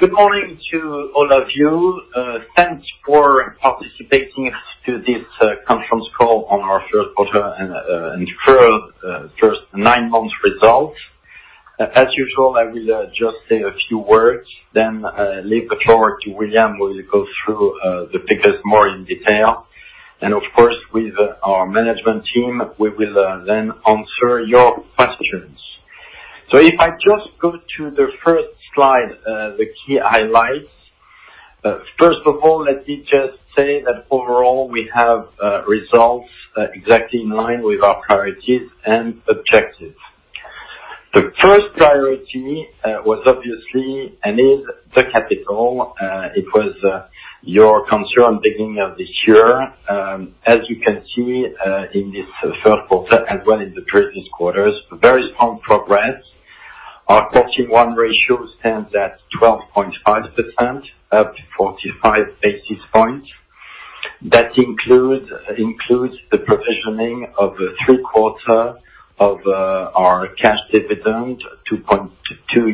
Good morning to all of you. Thanks for participating to this conference call on our first quarter and first nine months results. As usual, I will just say a few words, then leave the floor to William, who will go through the figures more in detail. Of course, with our management team, we will then answer your questions. If I just go to the first slide, the key highlights. First of all, let me just say that overall, we have results exactly in line with our priorities and objectives. The first priority was obviously, and is, the capital. It was your concern beginning of this year. As you can see in this first quarter, as well as the previous quarters, very strong progress. Our CET1 ratio stands at 12.5%, up 45 basis points. That includes the provisioning of the three-quarter of our cash dividend, 2.2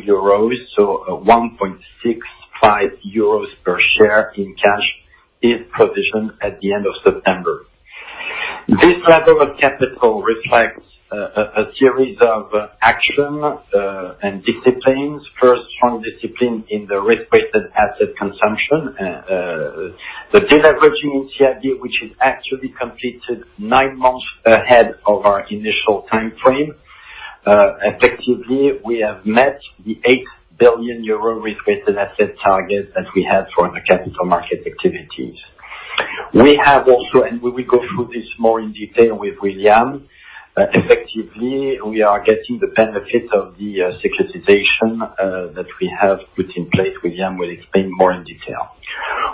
euros, so 1.65 euros per share in cash is provisioned at the end of September. This level of capital reflects a series of action and disciplines. First, strong discipline in the risk-weighted asset consumption. The de-leveraging in CRD, which is actually completed nine months ahead of our initial timeframe. Effectively, we have met the 8 billion euro risk-weighted asset target that we had for the capital market activities. We have also, and we will go through this more in detail with William, but effectively, we are getting the benefit of the securitization that we have put in place. William will explain more in detail.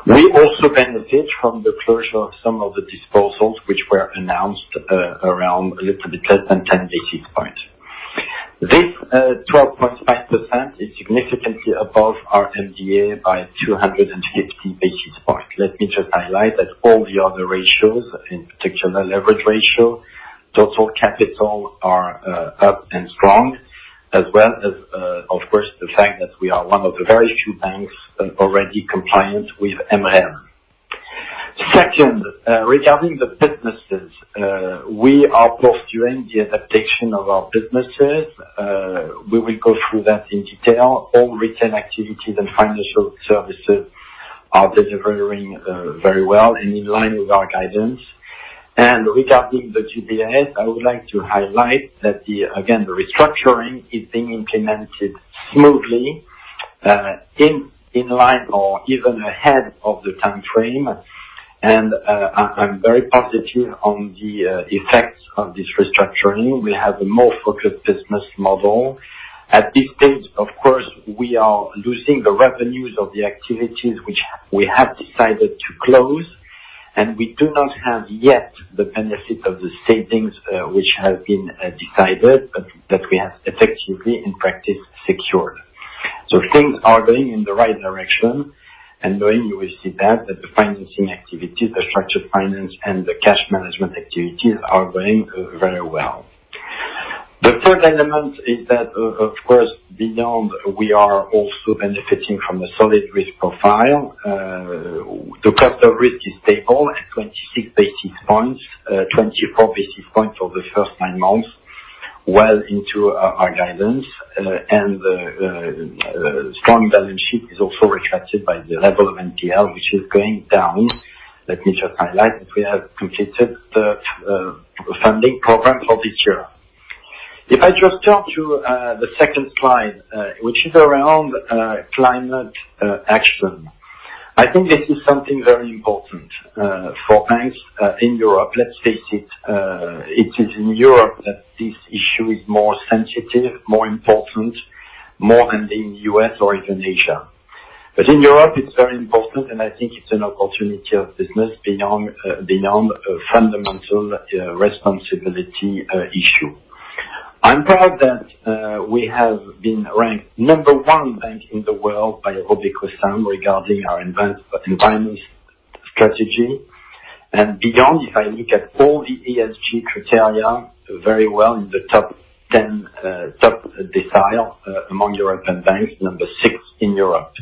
We also benefit from the closure of some of the disposals, which were announced around a little bit less than 10 basis points. This 12.5% is significantly above our MDA by 250 basis points. Let me just highlight that all the other ratios, in particular leverage ratio, total capital, are up and strong, as well as, of course, the fact that we are one of the very few banks already compliant with MREL. Second, regarding the businesses. We are pursuing the adaptation of our businesses. We will go through that in detail. All retail activities and financial services are delivering very well and in line with our guidance. Regarding the GBIS, I would like to highlight that, again, the restructuring is being implemented smoothly, in line or even ahead of the timeframe. I'm very positive on the effects of this restructuring. We have a more focused business model. At this stage, of course, we are losing the revenues of the activities which we have decided to close. We do not have yet the benefit of the savings which have been decided, but that we have effectively in practice secured. Things are going in the right direction. During, you will see that the financing activities, the structured finance, and the cash management activities are going very well. The third element is that, of course, beyond, we are also benefiting from a solid risk profile. The cost of risk is stable at 26 basis points, 24 basis points for the first nine months, well into our guidance. The strong balance sheet is also reflected by the level of NPL, which is going down. Let me just highlight that we have completed the funding program for this year. If I just turn to the second slide, which is around climate action. I think this is something very important for banks in Europe. Let's face it is in Europe that this issue is more sensitive, more important, more than in the U.S. or even Asia. In Europe, it's very important, and I think it's an opportunity of business beyond fundamental responsibility issue. I'm proud that we have been ranked number one bank in the world by RobecoSAM regarding our environment strategy, and beyond, if I look at all the ESG criteria, very well in the top 10, top decile among European banks, number six in Europe.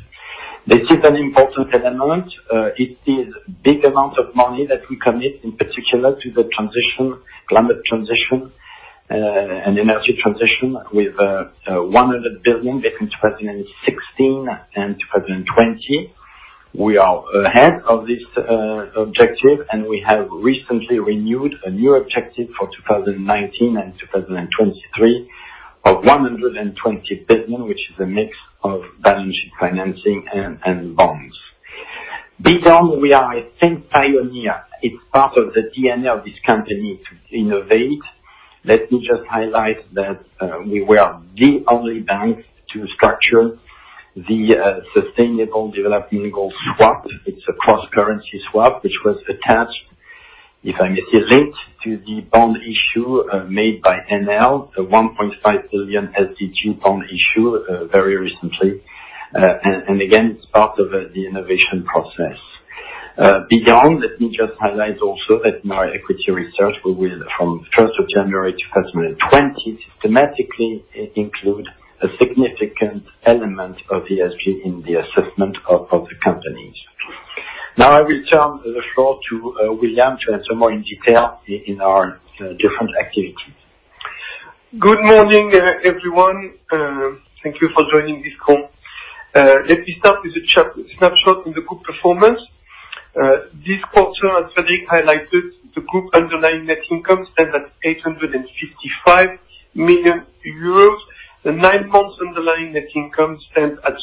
This is an important element. It is big amount of money that we commit, in particular to the climate transition, and energy transition with 100 billion between 2016 and 2020. We are ahead of this objective. We have recently renewed a new objective for 2019 and 2023 of 120 billion, which is a mix of balance sheet financing and bonds. We are, I think, pioneer. It's part of the DNA of this company to innovate. Let me just highlight that we were the only bank to structure the sustainable development goal swap. It's a cross-currency swap which was attached, if I may say, linked to the bond issue made by NL, the 1.5 billion SDG bond issue very recently. Again, it's part of the innovation process. Let me just highlight also that my equity research will, from 1 of January 2020, systematically include a significant element of ESG in the assessment of the companies. I will turn the floor to William to enter more in detail in our different activity. Good morning, everyone. Thank you for joining this call. Let me start with a snapshot in the group performance. This quarter, as Frederic highlighted, the group underlying net income stands at 855 million euros. The nine months underlying net income stands at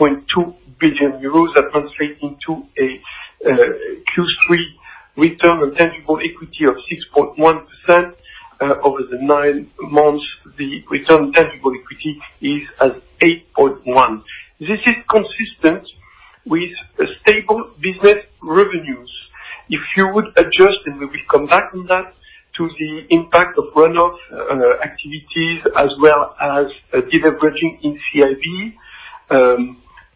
3.2 billion euros, that translates into a Q3 return on tangible equity of 6.1%. Over the nine months, the return tangible equity is at 8.1%. This is consistent with stable business revenues. If you would adjust, and we will come back on that, to the impact of runoff activities, as well as de-leveraging in CIB,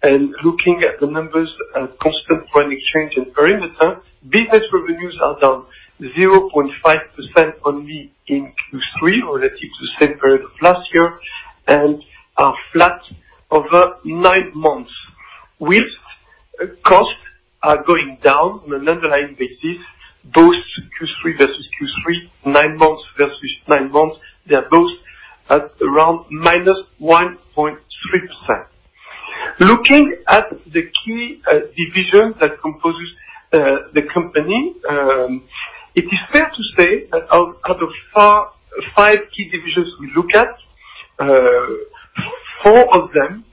and looking at the numbers at constant foreign exchange and perimeter, business revenues are down 0.5% only in Q3 relative to the same period of last year, and are flat over nine months, with costs are going down on an underlying basis, both Q3 versus Q3, nine months versus nine months, they are both at around -1.3%. Looking at the key division that composes the company, it is fair to say that out of five key divisions we look at, four of them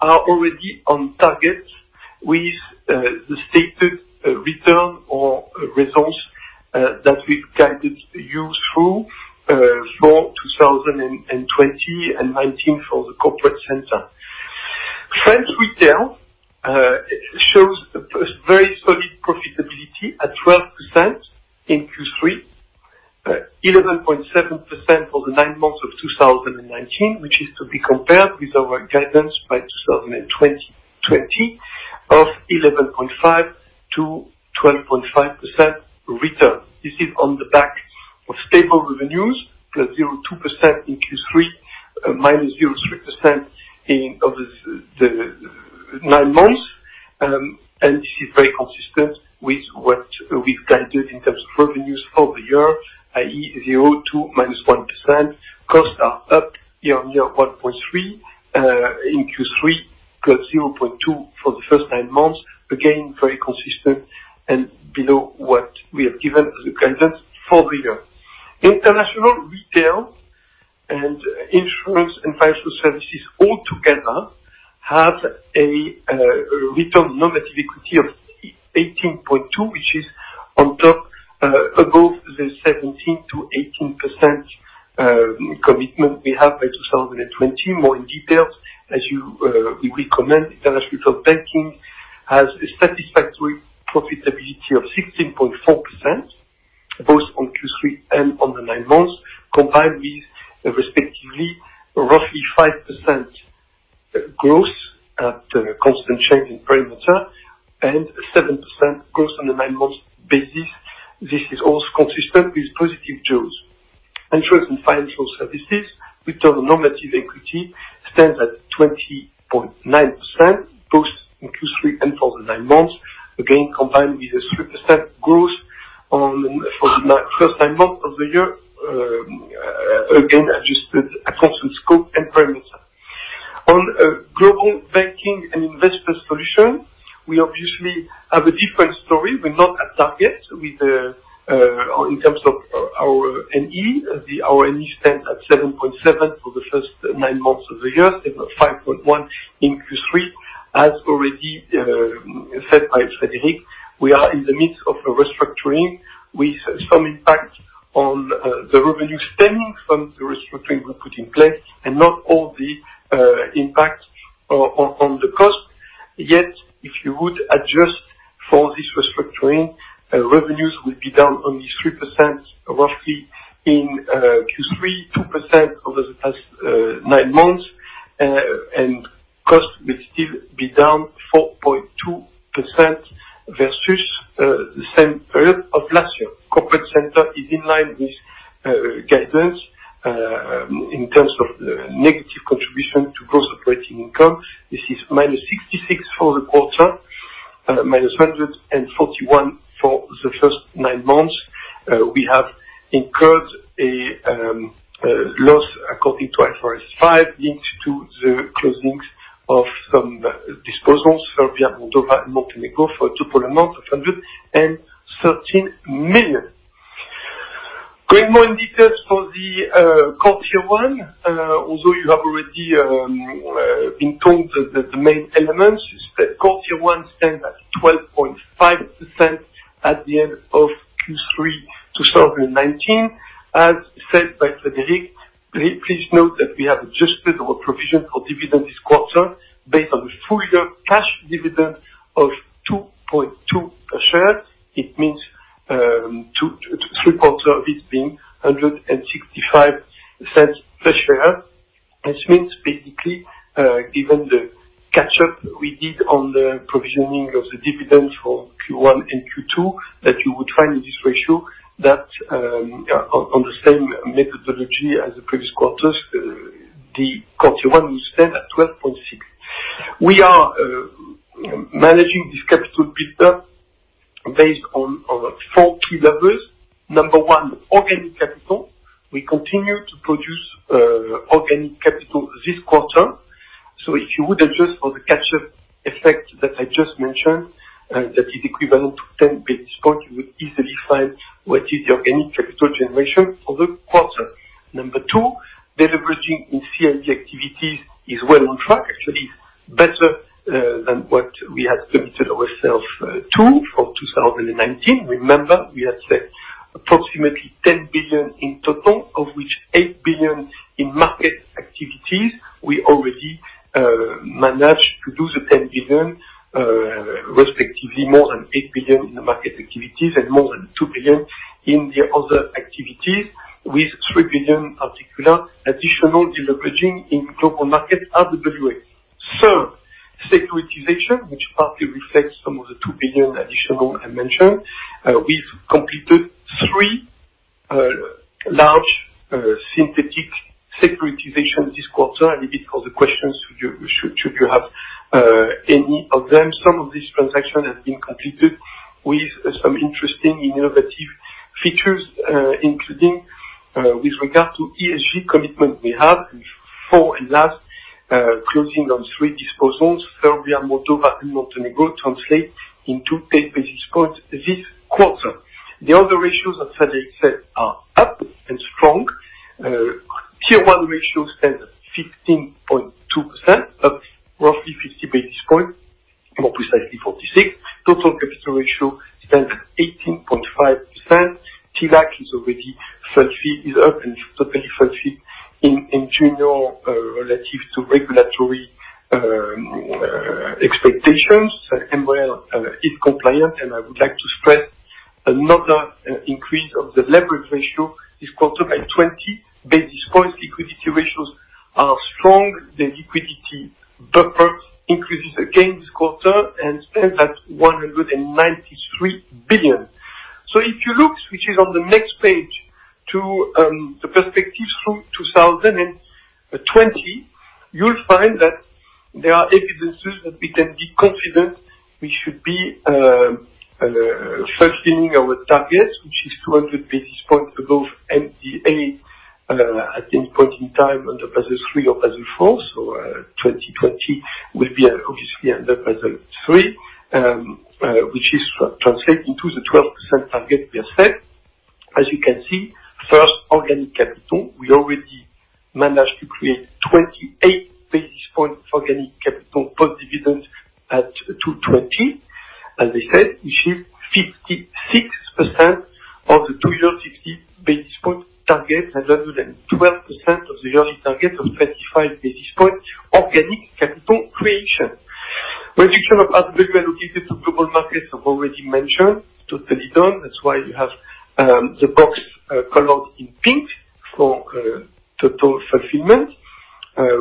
are already on target with the stated return or results that we've guided you through for 2020 and 2019 for the corporate center. French retail shows a very solid profitability at 12% in Q3, 11.7% for the nine months of 2019, which is to be compared with our guidance by 2020 of 11.5%-12.5% return. This is on the back of stable revenues, plus 0.2% in Q3, -0.3% over the nine months. This is very consistent with what we've guided in terms of revenues for the year, i.e., 0.2%, -1%. Costs are up year-on-year 1.3% in Q3, 0.2% for the first nine months. Again, very consistent and below what we have given as a guidance for the year. International Retail and Insurance and Financial Services all together have a return on normative equity of 18.2%, which is above the 17%-18% commitment we have by 2020. More in details, as we recommend, International Retail Banking has a satisfactory profitability of 16.4%, both on Q3 and on the nine months, combined with respectively roughly 5% growth at constant change in perimeter, and 7% growth on the nine months basis. This is also consistent with positive jaws. Insurance and financial services Return on Normative Equity stands at 20.9%, both in Q3 and for the nine months, again, combined with a 3% growth for the first nine months of the year, again, adjusted across the scope and perimeter. Global Banking and Investor Solutions, we obviously have a different story. We're not at target in terms of our RONE. Our RONE stands at 7.7 for the first nine months of the year, 5.1 in Q3. As already said by Frederic, we are in the midst of a restructuring with some impact on the revenue stemming from the restructuring we put in place and not all the impact on the cost. If you would adjust for this restructuring, revenues will be down only 3% roughly in Q3, 2% over the past nine months, and cost will still be down 4.2% versus the same period of last year. Corporate center is in line with guidance in terms of negative contribution to cost operating income. This is -66 for the quarter, -141 for the first nine months. We have incurred a loss according to IFRS 5 linked to the closings of some disposals for 13 million. Going more in details for the core tier one, although you have already been told the main elements, core tier one stands at 12.5% at the end of Q3 2019. As said by Frederic, please note that we have adjusted our provision for dividend this quarter based on the full year cash dividend of 2.2 shares. It means three quarter of it being 1.65 per share. This means basically, given the catch-up we did on the provisioning of the dividends for Q1 and Q2, that you would find in this ratio that on the same methodology as the previous quarters, the quarter one is still at 12.6. We are managing this capital buildup based on four key levers. Number one, organic capital. We continue to produce organic capital this quarter. If you would adjust for the catchup effect that I just mentioned, that is equivalent to 10 basis points, you would easily find what is the organic capital generation for the quarter. Number two, deleveraging in CIB activities is well on track, actually better than what we had committed ourselves to for 2019. Remember, we had said approximately 10 billion in total, of which 8 billion in market activities. We already managed to do the 10 billion, respectively, more than 8 billion in the market activities and more than 2 billion in the other activities, with 3 billion particular additional deleveraging in global markets RWA. Third, securitization, which partly reflects some of the 2 billion additional I mentioned. We've completed three large synthetic securitization this quarter. I leave it for the questions should you have any of them. Some of this transaction has been completed with some interesting innovative features, including with regard to ESG commitment we have, with four in last closing on three disposals, Serbia, Moldova, and Montenegro translate into 10 basis points this quarter. The other ratios, as Frederic said, are up and strong. Tier 1 ratio stands at 15.2%, up roughly 50 basis points, more precisely 46. Total capital ratio stands at 18.5%. TLAC is already fully, is up and totally fully in general, relative to regulatory expectations, MREL is compliant, I would like to stress another increase of the leverage ratio this quarter by 20 basis points. Liquidity ratios are strong. The liquidity buffer increases again this quarter and stands at 193 billion. If you look, which is on the next page, to the perspectives through 2020, you'll find that there are evidences that we can be confident we should be fulfilling our target, which is 200 basis points above MDA at any point in time under Basel III or Basel IV. 2020 will be obviously under Basel III, which is translated into the 12% target we have set. As you can see, first organic capital, we already managed to create 28 basis points organic capital post dividends at 2020. As I said, we ship 56% of the 260 basis points target and 112% of the yearly target of 35 basis points organic capital creation. Reduction of RWA related to global markets I've already mentioned, totally done. That's why you have the box colored in pink for total fulfillment.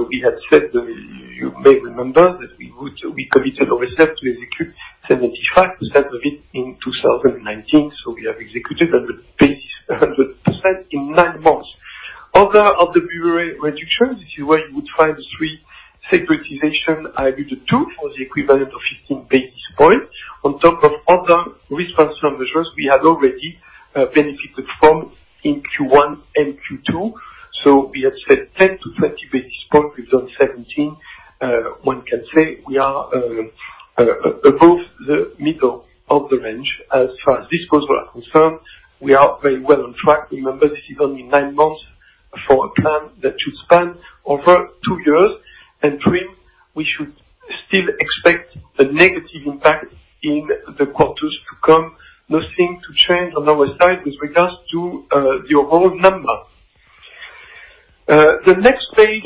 We had said, you may remember, that we committed ourselves to execute 75% of it in 2019. We have executed 100% in nine months. Other RWA reductions, if you wish, you would find three securitization I alluded to, for the equivalent of 15 basis points on top of other responsible measures we had already benefited from in Q1 and Q2. We had said 10-20 basis points, we've done 17. One can say we are above the middle of the range as far as dispos were concerned. We are very well on track. Remember, this is only nine months for a plan that should span over two years. Three, we should still expect a negative impact in the quarters to come. Nothing to change on our side with regards to the overall number. The next page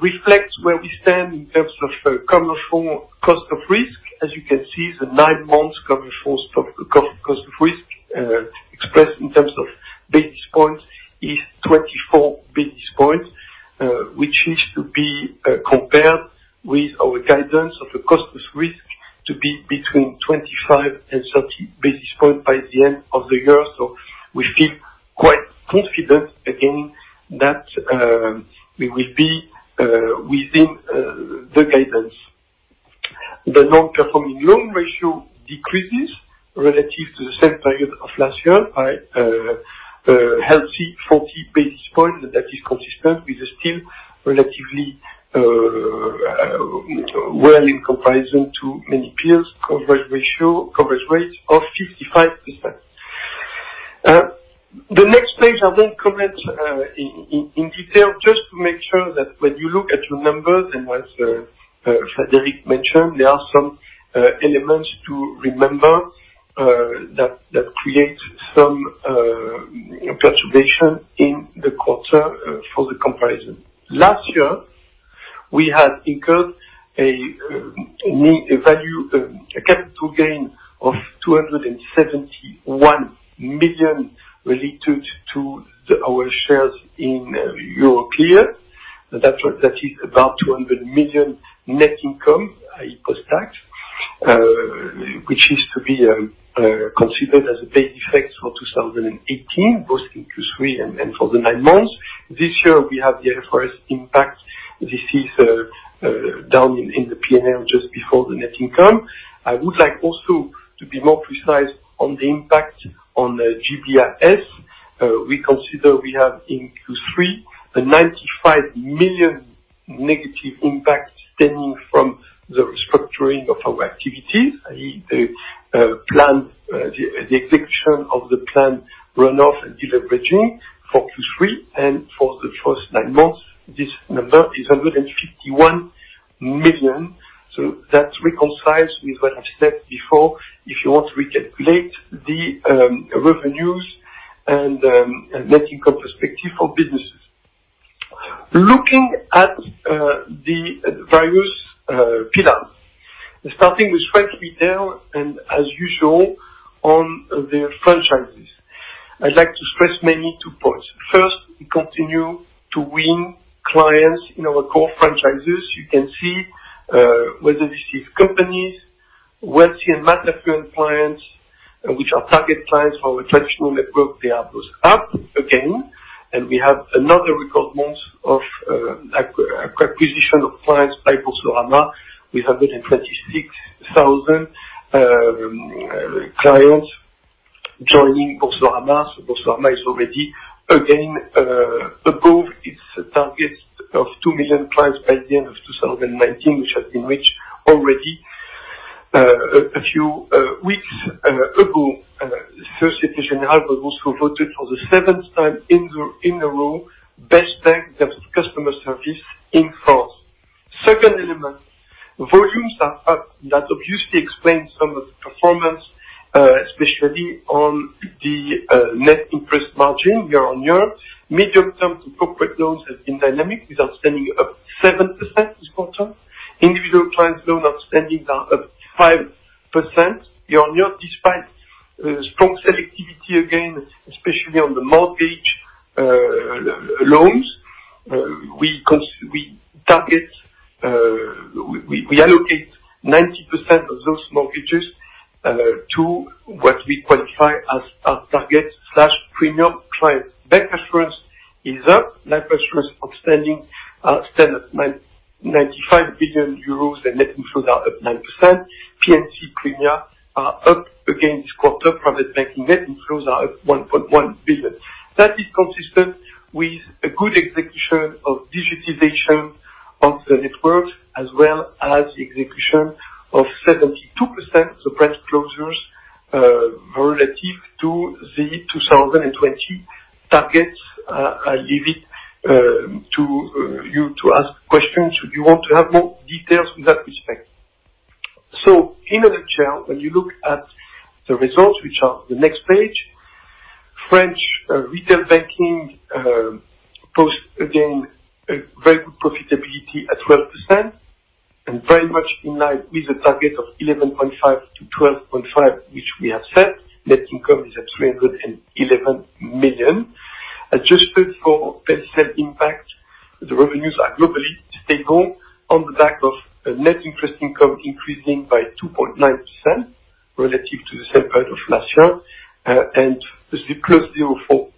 reflects where we stand in terms of commercial cost of risk. As you can see, the nine months commercial cost of risk, expressed in terms of basis points, is 24 basis points, which is to be compared with our guidance of the cost of risk to be between 25 and 30 basis points by the end of the year. We feel quite confident again that we will be within the guidance. The non-performing loan ratio decreases relative to the same period of last year by a healthy 40 basis points, and that is consistent with the still relatively well in comparison to many peers. Coverage ratio, coverage rate of 55%. The next page I won't comment in detail, just to make sure that when you look at your numbers, and as Frederic mentioned, there are some elements to remember that create some perturbation in the quarter for the comparison. Last year, we have incurred a capital gain of 271 million related to our shares in Europaea. That is about 200 million net income, i.e., post-tax, which is to be considered as a base effect for 2018, both in Q3 and for the nine months. This year, we have the IFRS impact. This is down in the P&L just before the net income. I would like also to be more precise on the impact on the GBIS. We consider we have, in Q3, a 95 million negative impact stemming from the restructuring of our activities, i.e., the execution of the planned runoff and deleveraging for Q3 and for the first nine months, this number is 151 million. That reconciles with what I've said before, if you want to recalculate the revenues and net income perspective for businesses. Looking at the various pillars, starting with French Retail Banking, and as usual, on the franchises. I'd like to stress mainly two points. First, we continue to win clients in our core franchises. You can see, whether this is companies, wealthy and mass affluent clients, which are target clients for our traditional network, they are both up again, and we have another record month of acquisition of clients by Boursorama, with 126,000 clients joining Boursorama. Boursorama is already, again, above its target of 2 million clients by the end of 2019, which had been reached already a few weeks ago. Société Générale was also voted for the seventh time in a row, best bank customer service in France. Second element, volumes are up. That obviously explains some of the performance, especially on the net interest margin year-on-year. Medium-term corporate loans has been dynamic, with outstanding up 7% this quarter. Individual clients' loan outstanding are up 5% year-on-year, despite strong selectivity again, especially on the mortgage loans. We allocate 90% of those mortgages to what we qualify as our target/premium clients. Life insurance is up. Life insurance outstanding stand at 95 billion euros, and net inflows are up 9%. P&C premium are up again this quarter. Private banking net inflows are up 1.1 billion. That is consistent with a good execution of digitization of the network, as well as the execution of 72% of branch closures relative to the 2020 targets. I leave it to you to ask questions, if you want to have more details in that respect. In a nutshell, when you look at the results, which are the next page, French Retail Banking posts, again, a very good profitability at 12%, and very much in line with the target of 11.5%-12.5%, which we have set. Net income is at 311 million. Adjusted for Pennant impact, the revenues are globally stable on the back of Net Interest Income increasing by 2.9% relative to the same period of last year, and this is +0.4% for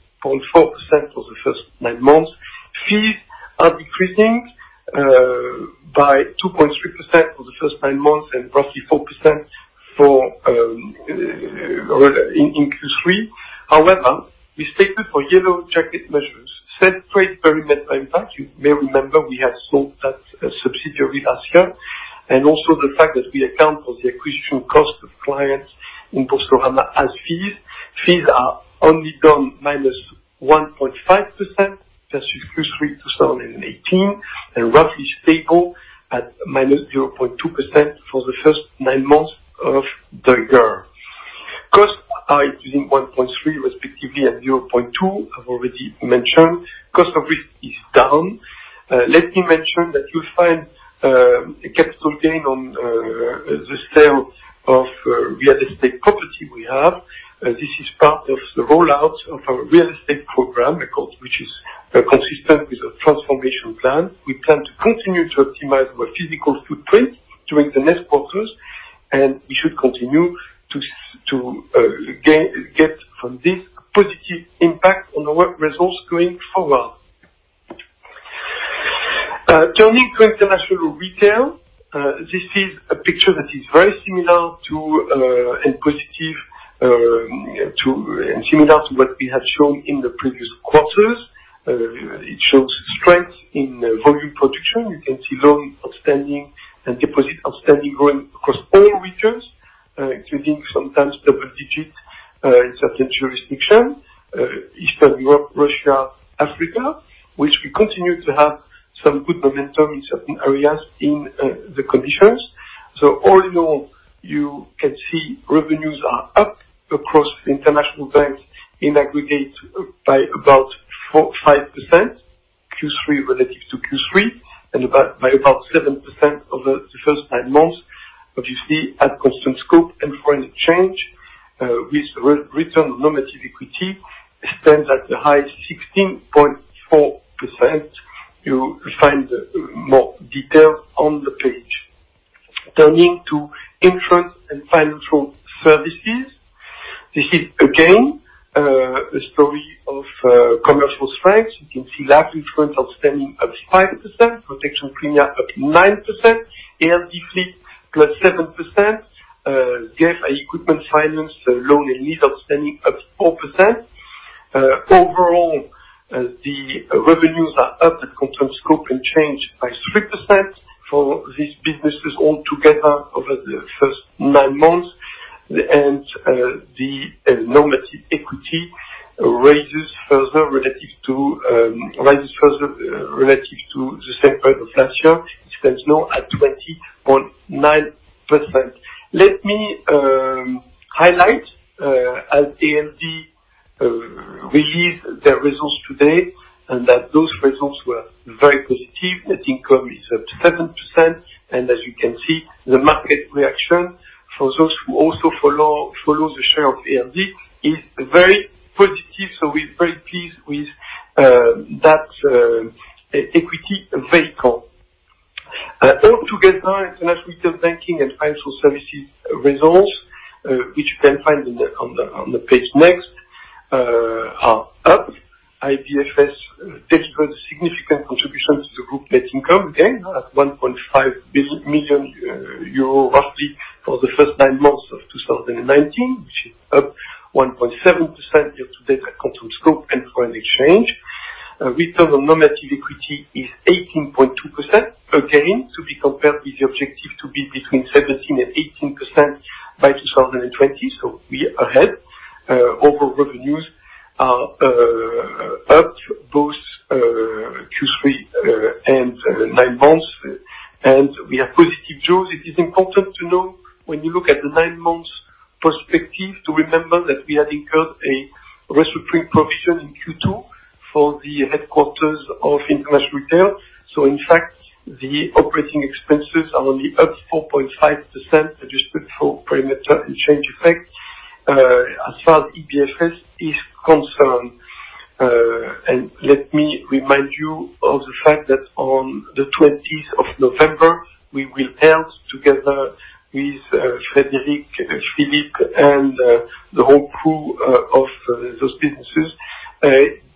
the first nine months. Fees are decreasing by 2.3% for the first nine months and roughly 4% in Q3. We stated for Yellow Jacket measures, set trade perimeter impact. You may remember we had sold that subsidiary last year, also the fact that we account for the acquisition cost of clients in Boursorama as fees. Fees are only down -1.5% versus Q3 2018, roughly stable at -0.2% for the first nine months of the year. Costs are increasing 1.3% respectively at 0.2%, I've already mentioned. Cost of risk is down. Let me mention that you'll find a capital gain on the sale of real estate property we have. This is part of the rollout of our real estate program, of course, which is consistent with the transformation plan. We plan to continue to optimize our physical footprint during the next quarters, we should continue to get from this positive impact on our results going forward. Turning to International Retail, this is a picture that is very similar and positive, similar to what we have shown in the previous quarters. It shows strength in volume production. You can see loan outstanding and deposit outstanding growing across all regions, including sometimes double-digit in certain jurisdiction, Eastern Europe, Russia, Africa, which we continue to have some good momentum in certain areas in the conditions. All in all, you can see revenues are up across the International Bank in aggregate by about 4%-5%, Q3 relative to Q3, and by about 7% over the first nine months, obviously at constant scope and foreign exchange, with Return on Normative Equity stands at the high 16.4%. You will find more detail on the page. Turning to insurance and financial services. This is again, a story of Commercial France. You can see life insurance outstanding up 5%, Protection Card up 9%, ALD Fleet plus 7%, SG equipment finance, loan, and lease outstanding up 4%. The revenues are up at constant scope and change by 3% for these businesses altogether over the first nine months, and the normative equity rises further relative to the same point last year, stands now at 20.9%. Let me highlight, as ALD released their results today, those results were very positive. Net income is up 7%, as you can see, the market reaction for those who also follow the share of ALD is very positive. We're very pleased with that equity vehicle. Altogether, International Retail Banking and Financial Services results, which you can find on the page next, are up. IBFS delivered significant contribution to the group net income, again, at 1.5 million euro roughly for the first nine months of 2019, which is up 1.7% year-to-date at constant scope and foreign exchange. Return on normative equity is 18.2%, again, to be compared with the objective to be between 17% and 18% by 2020. We are ahead. Overall revenues are up, both Q3 and nine months. We are positive too. It is important to know when you look at the nine months perspective, to remember that we had incurred a restructuring provision in Q2 for the headquarters of International Retail. In fact, the operating expenses are only up 4.5%, adjusted for perimeter and change effect. As far as IBFS is concerned, and let me remind you of the fact that on the 20th of November, we will held together with Frederic, Philippe, and the whole crew of those businesses,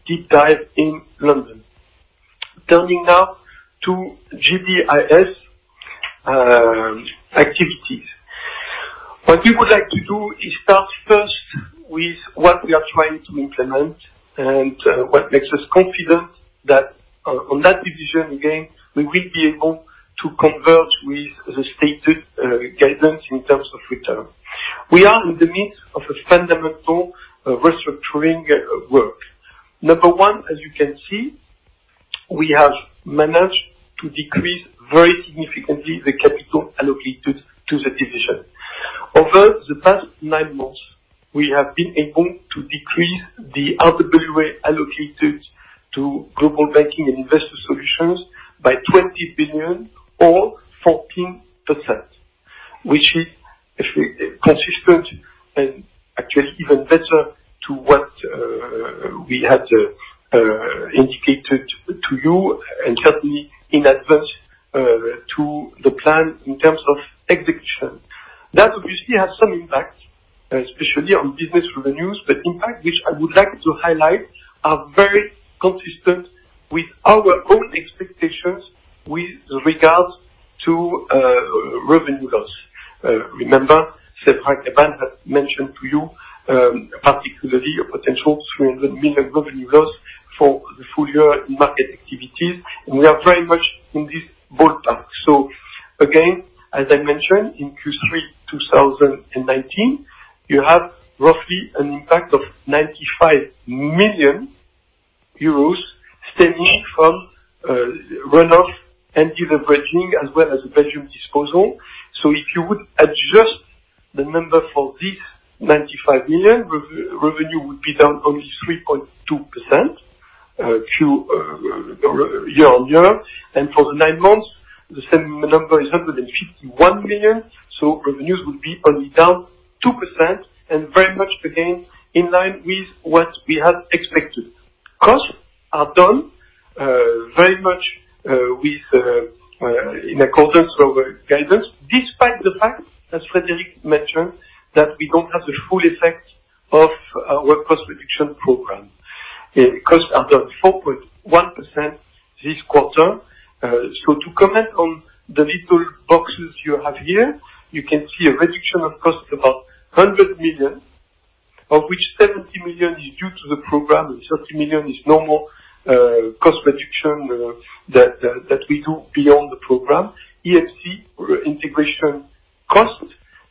deep dive in London. Turning now to GBIS activities. What we would like to do is start first with what we are trying to implement and what makes us confident that on that division, again, we will be able to converge with the stated guidance in terms of return. We are in the midst of a fundamental restructuring work. Number one, as you can see, we have managed to decrease very significantly the capital allocated to the division. Over the past nine months, we have been able to decrease the RWA allocated to Global Banking and Investor Solutions by 20 billion or 14%, which is consistent and actually even better to what we had indicated to you, and certainly in advance to the plan in terms of execution. That obviously has some impact, especially on business revenues, but impact which I would like to highlight are very consistent with our own expectations with regards to revenue loss. Remember, Cedric de Band had mentioned to you, particularly a potential 300 million revenue loss for the full year in market activities, and we are very much in this ballpark. So again, as I mentioned, in Q3 2019, you have roughly an impact of 95 million euros stemming from runoff and deleveraging, as well as the Belgium disposal. If you would adjust the number for this 95 million, revenue would be down only 3.2% year-on-year. For the nine months, the same number is 151 million, so revenues would be only down 2% and very much again, in line with what we had expected. Costs are done very much in accordance with our guidance, despite the fact, as Frederic mentioned, that we don't have the full effect of our cost reduction program. Costs are down 4.1% this quarter. To comment on the little boxes you have here, you can see a reduction of cost, about 100 million, of which 70 million is due to the program, and 30 million is normal cost reduction that we do beyond the program. EMC integration cost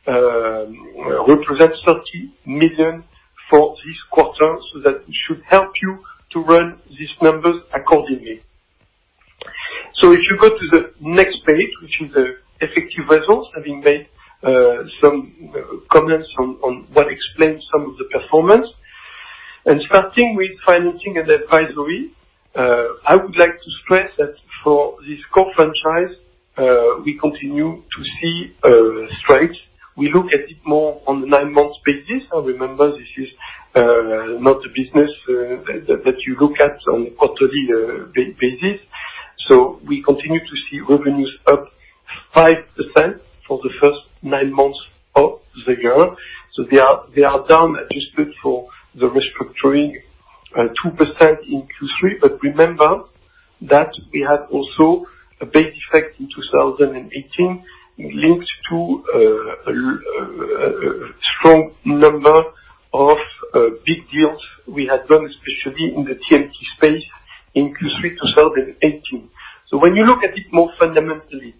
represents 30 million for this quarter, so that it should help you to run these numbers accordingly. If you go to the next page, which is the effective results, having made some comments on what explains some of the performance. Starting with financing and advisory, I would like to stress that for this core franchise, we continue to see strength. We look at it more on the nine months basis. Now, remember, this is not a business that you look at on quarterly basis. We continue to see revenues up 5% for the first nine months of the year. They are down, adjusted for the restructuring, 2% in Q3. Remember that we had also a base effect in 2018 linked to a strong number of big deals we had done, especially in the TMT space in Q3 2018. When you look at it more fundamentally,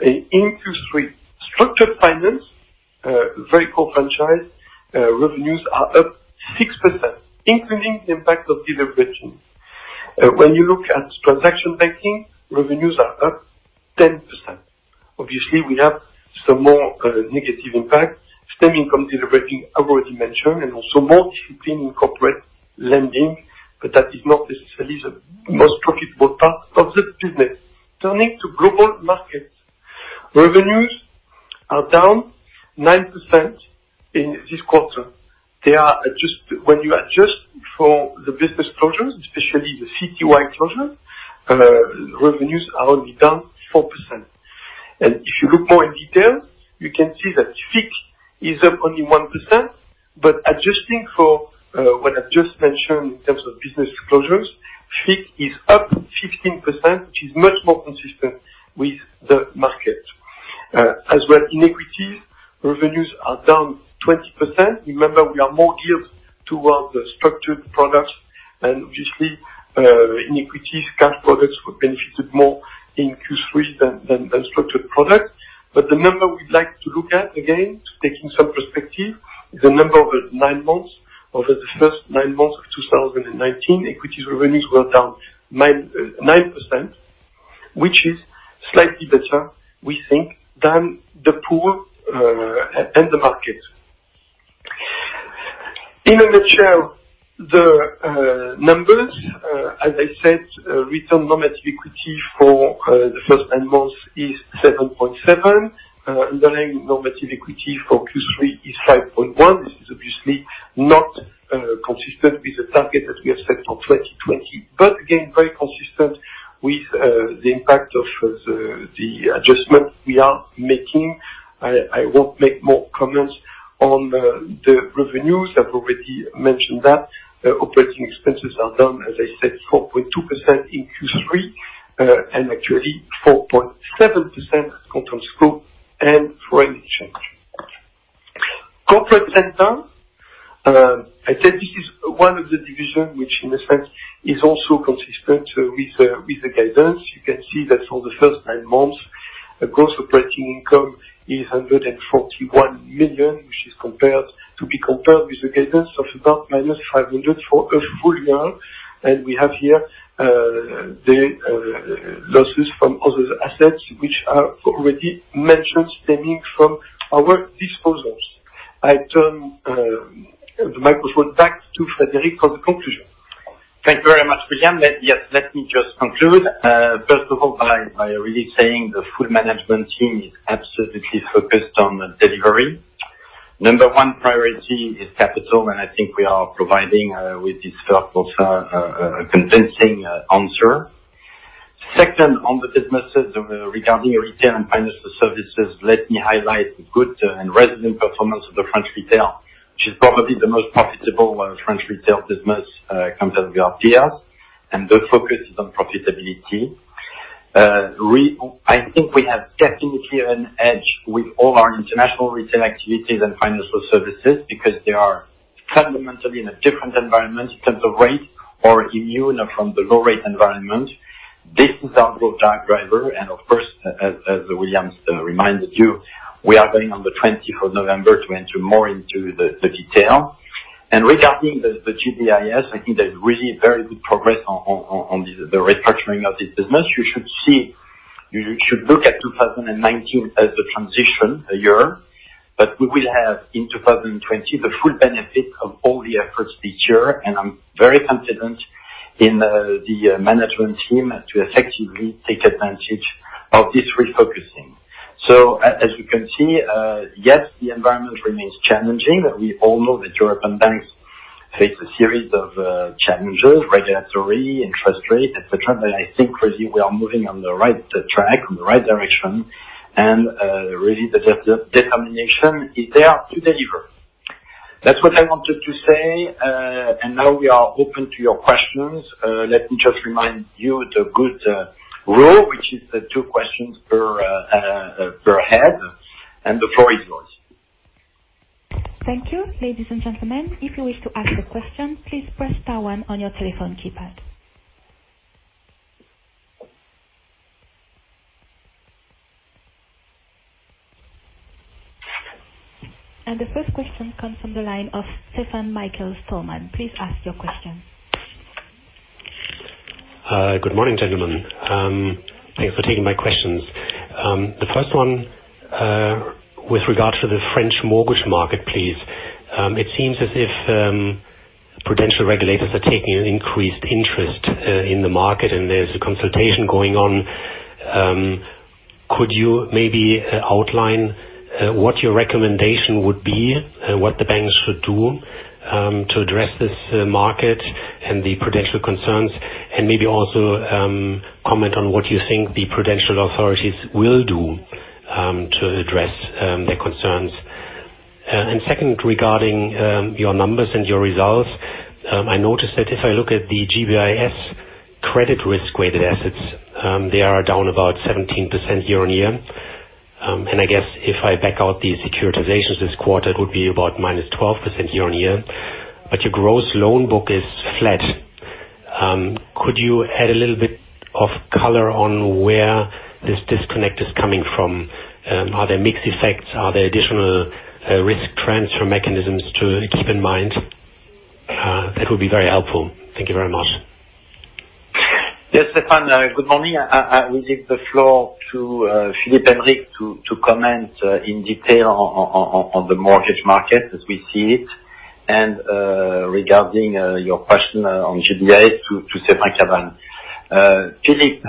in Q3, structured finance, very core franchise, revenues are up 6%, including the impact of deliverables. When you look at transaction banking, revenues are up 10%. Obviously, we have some more negative impact, stemming from delivering I've already mentioned, and also more discipline in corporate lending, but that is not necessarily the most profitable part of the business. Turning to global markets, revenues are down 9% in this quarter. When you adjust for the business closures, especially the CTI closure, revenues are only down 4%. If you look more in detail, you can see that FIC is up only 1%, but adjusting for what I've just mentioned in terms of business closures, FIC is up 15%, which is much more consistent with the market. As well in equities, revenues are down 20%. Remember, we are more geared towards the structured products, and obviously, in equities, cash products were benefited more in Q3 than structured products. The number we'd like to look at, again, taking some perspective, the number over the first nine months of 2019, equities revenues were down 9%, which is slightly better, we think, than the pool and the market. In a nutshell, the numbers, as I said, Return on Normative Equity for the first nine months is 7.7%. Underlying Normative Equity for Q3 is 5.1%. This is obviously not consistent with the target that we have set for 2020. Again, very consistent with the impact of the adjustment we are making. I won't make more comments on the revenues. I've already mentioned that. Operating expenses are down, as I said, 4.2% in Q3, and actually 4.7% control scope and foreign exchange. Corporate and down. I said this is one of the divisions which, in a sense, is also consistent with the guidance. You can see that for the first nine months, gross operating income is 141 million, which is to be compared with the guidance of about minus 500 for a full year. We have here the losses from other assets, which are already mentioned, stemming from our disposals. I turn the microphone back to Frederic for the conclusion. Thank you very much, William. Let me just conclude, first of all, by really saying the full management team is absolutely focused on delivery. Number one priority is capital, and I think we are providing with this first quarter a convincing answer. Second, on the businesses regarding retail and financial services, let me highlight the good and resilient performance of the French Retail, which is probably the most profitable French retail business compared to our peers, and the focus is on profitability. I think we have definitely an edge with all our International Retail activities and financial services because they are fundamentally in a different environment in terms of rate or immune from the low rate environment. This is our growth driver, and of course, as William reminded you, we are going on the 24 of November to enter more into the detail. Regarding the GBIS, I think there's really very good progress on the restructuring of this business. You should look at 2019 as the transition year. We will have in 2020 the full benefit of all the efforts this year. I'm very confident in the management team to effectively take advantage of this refocusing. As you can see, yes, the environment remains challenging. We all know that European banks face a series of challenges, regulatory, interest rate, et cetera. I think really we are moving on the right track, on the right direction. Really the determination is there to deliver. That's what I wanted to say. Now we are open to your questions. Let me just remind you the good rule, which is two questions per head. The floor is yours. Thank you. Ladies and gentlemen, if you wish to ask a question, please press star one on your telephone keypad. The first question comes from the line of Stefan Michael Stalmann. Please ask your question. Good morning, gentlemen. Thanks for taking my questions. The first one with regards to the French mortgage market, please. It seems as if prudential regulators are taking an increased interest in the market and there's a consultation going on. Could you maybe outline what your recommendation would be and what the banks should do to address this market and the prudential concerns? Maybe also comment on what you think the prudential authorities will do to address their concerns. Second, regarding your numbers and your results, I noticed that if I look at the GBIS credit risk-weighted assets, they are down about 17% year-over-year. I guess if I back out the securitizations this quarter, it would be about minus 12% year-over-year. Your gross loan book is flat. Could you add a little bit of color on where this disconnect is coming from? Are there mixed effects? Are there additional risk transfer mechanisms to keep in mind? That would be very helpful. Thank you very much. Yes, Stefan, good morning. I will give the floor to Philippe Heim to comment in detail on the mortgage market as we see it, and regarding your question on GBIS to Cedric Cavane. Philippe,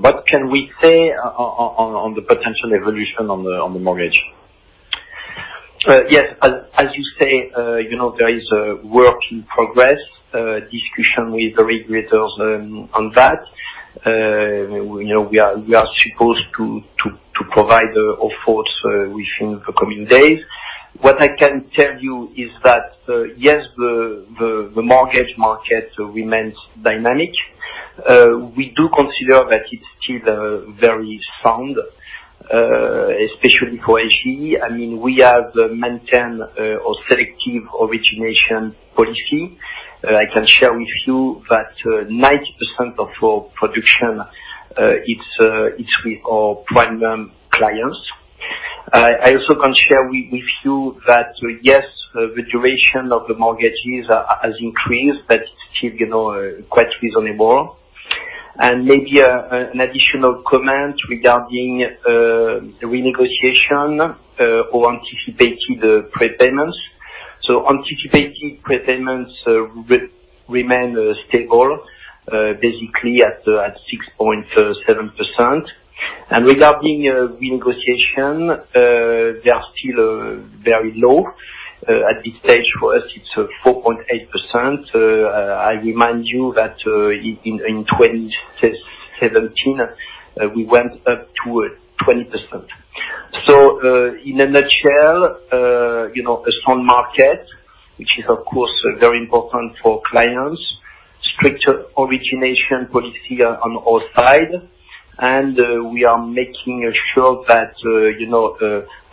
what can we say on the potential evolution on the mortgage? Yes, as you say, there is a work in progress, discussion with the regulators on that. We are supposed to provide efforts within the coming days. What I can tell you is that, yes, the mortgage market remains dynamic. We do consider that it's still very sound, especially for SG. We have maintained a selective origination policy. I can share with you that 90% of our production, it's with our prime clients. I also can share with you that, yes, the duration of the mortgages has increased, but it's still quite reasonable. Maybe an additional comment regarding renegotiation or anticipated prepayments. Anticipated prepayments will remain stable, basically at 6.7%. Regarding renegotiation, they are still very low. At this stage for us it's 4.8%. I remind you that in 2017, we went up to 20%. In a nutshell, a strong market, which is of course very important for clients, stricter origination policy on our side, and we are making sure that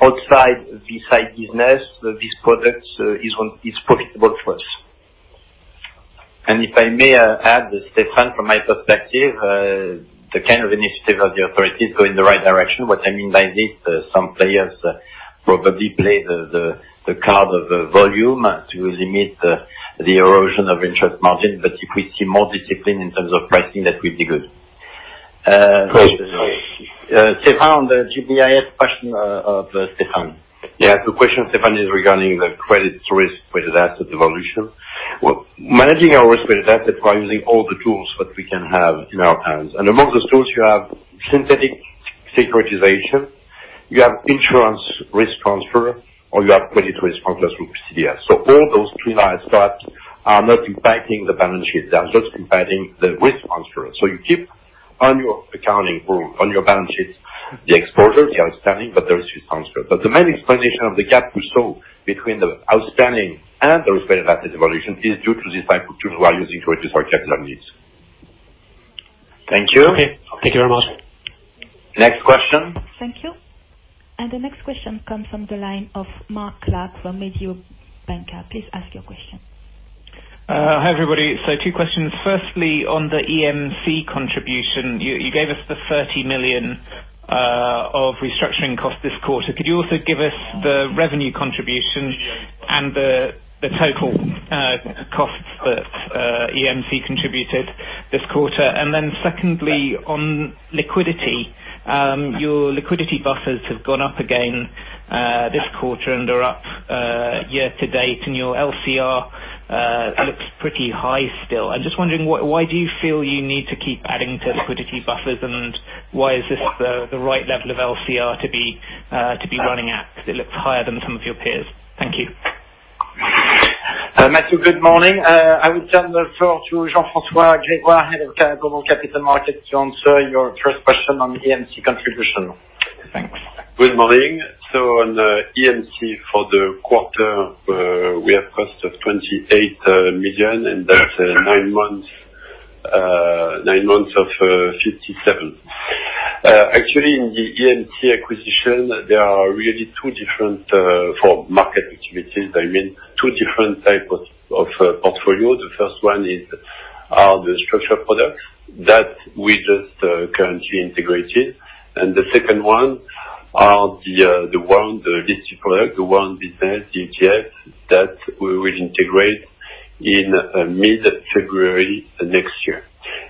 outside this high business, these products is profitable for us. If I may add, Stefan, from my perspective, the kind of initiative of the authorities go in the right direction. What I mean by this, some players probably play the card of volume to limit the erosion of interest margin, but if we see more discipline in terms of pricing, that will be good. Stefan, the GBIS question of Stefan. Yeah, the question, Stefan, is regarding the credit risk-weighted asset evolution. Managing our risk-weighted assets by using all the tools that we can have in our hands. Amongst the tools you have synthetic securitization, you have insurance risk transfer, or you have credit risk transfers through CDS. All those three lines that are not impacting the balance sheet, they are just impacting the risk transfer. The main explanation of the gap we saw between the outstanding and the risk-weighted asset evolution is due to this type of tools we are using to reduce our capital needs. Thank you. Okay, thank you very much. Next question. Thank you. The next question comes from the line of Matt Clark from Mediobanca. Please ask your question. Hi, everybody. Two questions. Firstly, on the EMC contribution, you gave us the 30 million of restructuring cost this quarter. Could you also give us the revenue contribution and the total costs that EMC contributed this quarter? Secondly, on liquidity, your liquidity buffers have gone up again this quarter and are up year-to-date, and your LCR looks pretty high still. I'm just wondering, why do you feel you need to keep adding to liquidity buffers, and why is this the right level of LCR to be running at? Because it looks higher than some of your peers. Thank you. Matthew, good morning. I would turn the floor to Jean-François Grégoire, Head of Global Capital Markets, to answer your first question on EMC contribution. Thanks. Good morning. On EMC for the quarter, we have cost of 28 million, and that's nine months of 57 million. Actually, in the EMC acquisition, there are really two different, for market activities, I mean, two different type of portfolios. The first one are the structured products that we just currently integrated. The second one are the one, the digital product, the one business, DTX, that we will integrate in mid-February next year.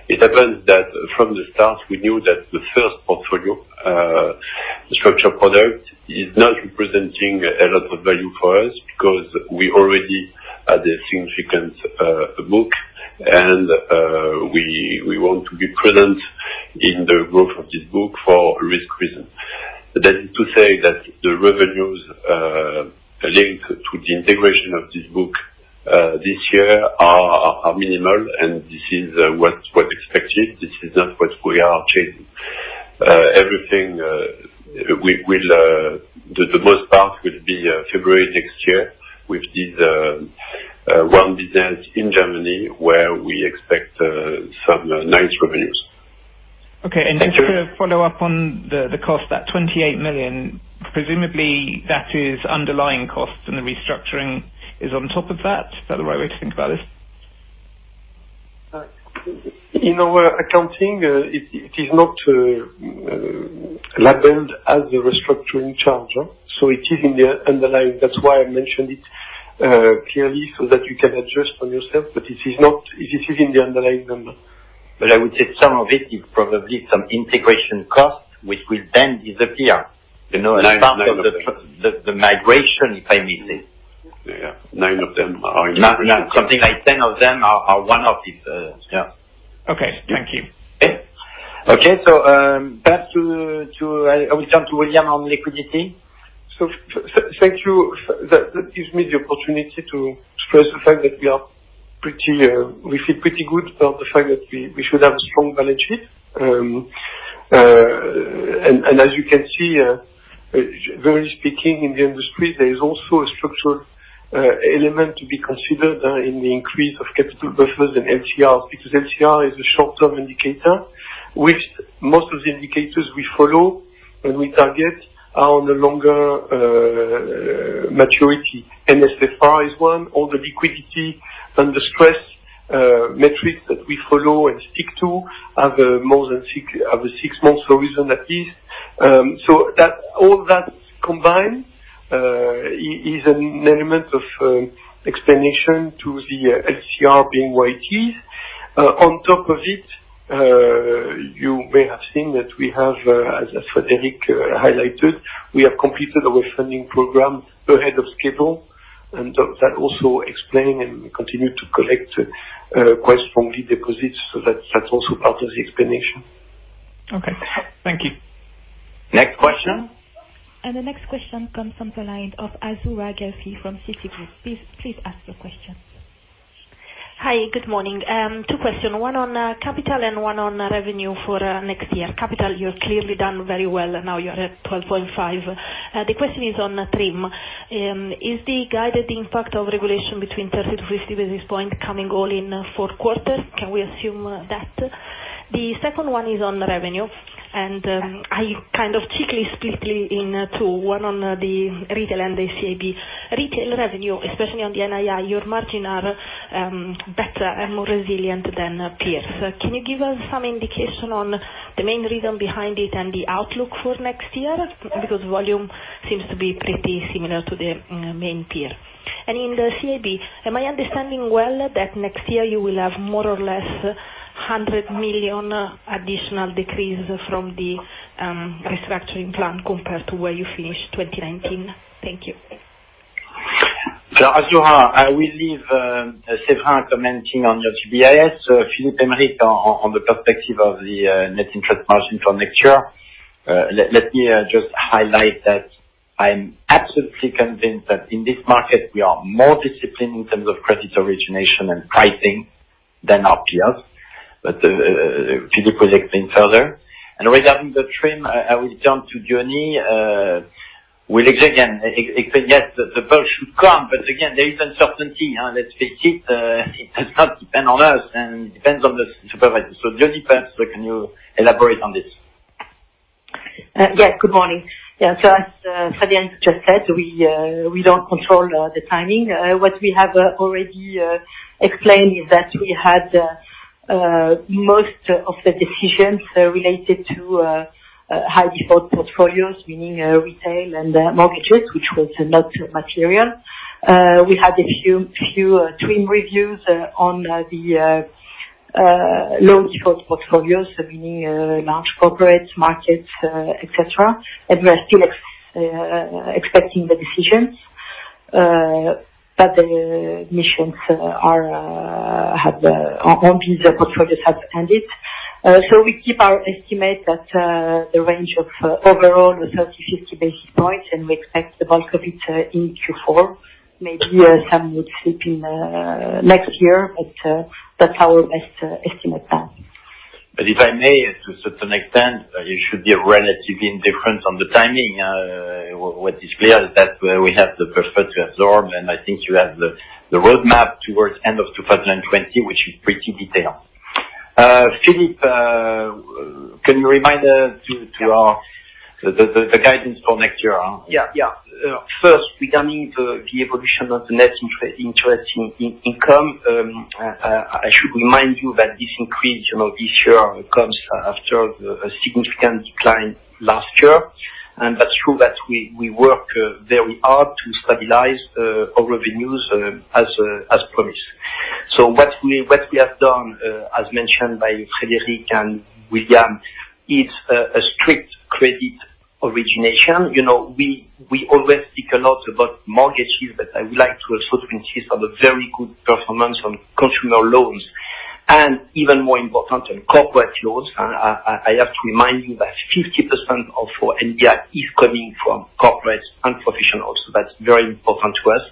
It happens that from the start, we knew that the first portfolio, structured product, is not representing a lot of value for us, because we already had a significant book, and we want to be present in the growth of this book for risk reason. That is to say that the revenues linked to the integration of this book this year are minimal, and this is what's expected. This is not what we are chasing. The most part will be February next year with this one business in Germany, where we expect some nice revenues. Okay. Just to follow up on the cost, that 28 million, presumably that is underlying cost, and the restructuring is on top of that. Is that the right way to think about this? In our accounting, it is not labeled as a restructuring charge. It is in the underlying. That's why I mentioned it clearly, so that you can adjust on yourself, but it is in the underlying number. I would say some of it is probably some integration costs, which will then disappear. Nine of them. The migration, if I may say. Yeah. Nine of them are integration. Something like 10 of them are one-off. Okay. Thank you. Okay. I will turn to William on liquidity. Thank you. That gives me the opportunity to stress the fact that we feel pretty good about the fact that we should have a strong balance sheet. As you can see, generally speaking, in the industry, there is also a structural element to be considered in the increase of capital buffers and LCR, because LCR is a short-term indicator. With most of the indicators we follow and we target are on a longer maturity. NSFR is one. All the liquidity and the stress metrics that we follow and speak to have a six-month horizon, at least. All that combined is an element of explanation to the LCR being where it is. On top of it, you may have seen that we have, as Frederic highlighted, we have completed our funding program ahead of schedule, and that also explain and continue to collect quite strongly deposits. That's also part of the explanation. Okay. Thank you. Next question. The next question comes on the line of Azzurra Guelfi from Citigroup. Please ask your question. Hi. Good morning. Two questions. One on capital and one on revenue for next year. Capital, you're clearly done very well and now you're at 12.5. The question is on TRIM. Is the guided impact of regulation between 30-50 basis points coming all in four quarters? Can we assume that? The second one is on revenue, I kind of cheekily split it in two. One on the retail and the CIB. Retail revenue, especially on the NII, your margins are better and more resilient than peers. Can you give us some indication on the main reason behind it and the outlook for next year? Volume seems to be pretty similar to the main peer. In the CIB, am I understanding well that next year you will have more or less 100 million additional decrease from the restructuring plan compared to where you finished 2019? Thank you. Azzurra, I will leave Sylvain commenting on your GBIS. Philippe and Rik on the perspective of the net interest margin for next year. Let me just highlight that I'm absolutely convinced that in this market, we are more disciplined in terms of credit origination and pricing than our peers. Philippe will explain further. Regarding the TRIM, I will turn to Johnny. We'll again, explain yes, the boat should come, but again, there is uncertainty. Let's face it does not depend on us and it depends on the supervisors. Johnny perhaps, can you elaborate on this? Yeah. Good morning. As Frederic just said, we don't control the timing. What we have already explained is that we had most of the decisions related to high default portfolios, meaning retail and mortgages, which was not material. We had a few twin reviews on the low default portfolios, meaning large corporate markets, et cetera, and we are still expecting the decisions. The missions on these portfolios have ended. We keep our estimate that the range of overall is 30-50 basis points, and we expect the bulk of it in Q4, maybe some would slip in next year. That's our best estimate now. If I may, to a certain extent, you should be relatively indifferent on the timing. What is clear is that we have the perfect absorb, and I think you have the roadmap towards end of 2020, which is pretty detailed. Philippe Can you remind us to the guidance for next year? Yeah. First, regarding the evolution of the net interest income, I should remind you that this increase this year comes after a significant decline last year. That's true that we work very hard to stabilize our revenues, as promised. What we have done, as mentioned by Frederic and William, is a strict credit origination. We always speak a lot about mortgages, but I would like to also insist on the very good performance on consumer loans and even more important on corporate loans. I have to remind you that 50% of our NII is coming from corporate and professionals. That's very important to us.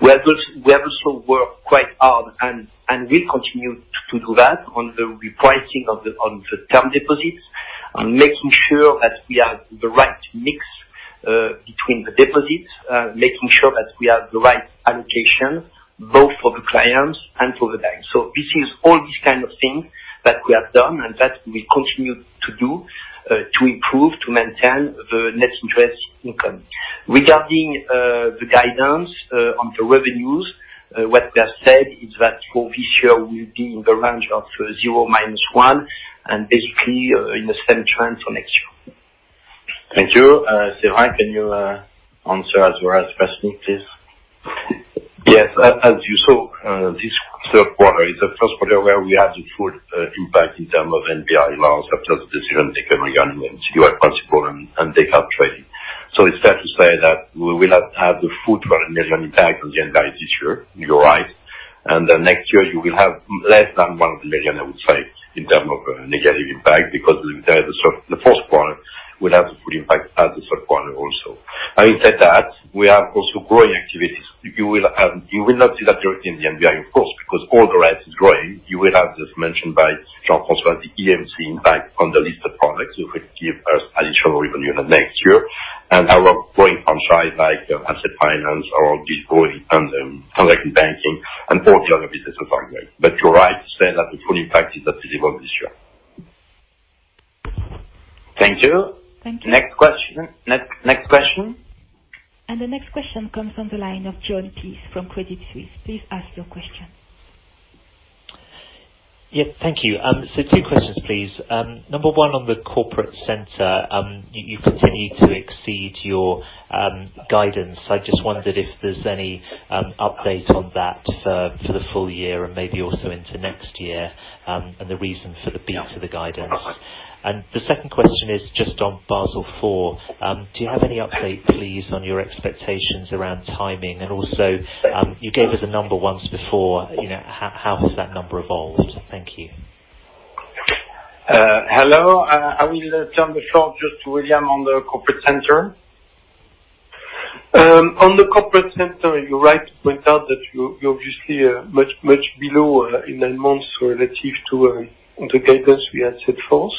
We also work quite hard, we continue to do that on the repricing of the term deposits, on making sure that we have the right mix between the deposits, making sure that we have the right allocation, both for the clients and for the bank. This is all these kind of things that we have done and that we continue to do, to improve, to maintain the net interest income. Regarding the guidance on the revenues, what we have said is that for this year we'll be in the range of 0%, -1%, basically in the same trend for next year. Thank you. Serge, can you answer as well as Frederic, please? Yes. As you saw, this third quarter is the first quarter where we had the full impact in term of NPI laws after the decision taken regarding the secure principle and take-up trading. It's fair to say that we will have the full 1 million impact on the NII this year. You're right. Next year you will have less than 1 million, I would say, in term of negative impact because the first quarter will have the full impact at the third quarter also. Having said that, we have also growing activities. You will not see that in the NII, of course, because all the rest is growing. You will have, as mentioned by Jean-François, the EMC impact on the listed products, which give us additional revenue in the next year. Our growing franchise like asset finance or growing public banking and all the other business as well. You're right to say that the full impact is not visible this year. Thank you. Thank you. Next question. The next question comes from the line of Jon Peace from Credit Suisse. Please ask your question. Thank you. Two questions, please. Number one on the corporate center, you continue to exceed your guidance. I just wondered if there's any update on that for the full year and maybe also into next year, and the reason for the beat to the guidance. The second question is just on Basel IV. Do you have any update, please, on your expectations around timing? Also, you gave us a number once before, how has that number evolved? Thank you. Hello. I will turn the floor just to William on the corporate center. On the corporate center, you're right to point out that you're obviously much below in nine months relative to the guidance we had set forth.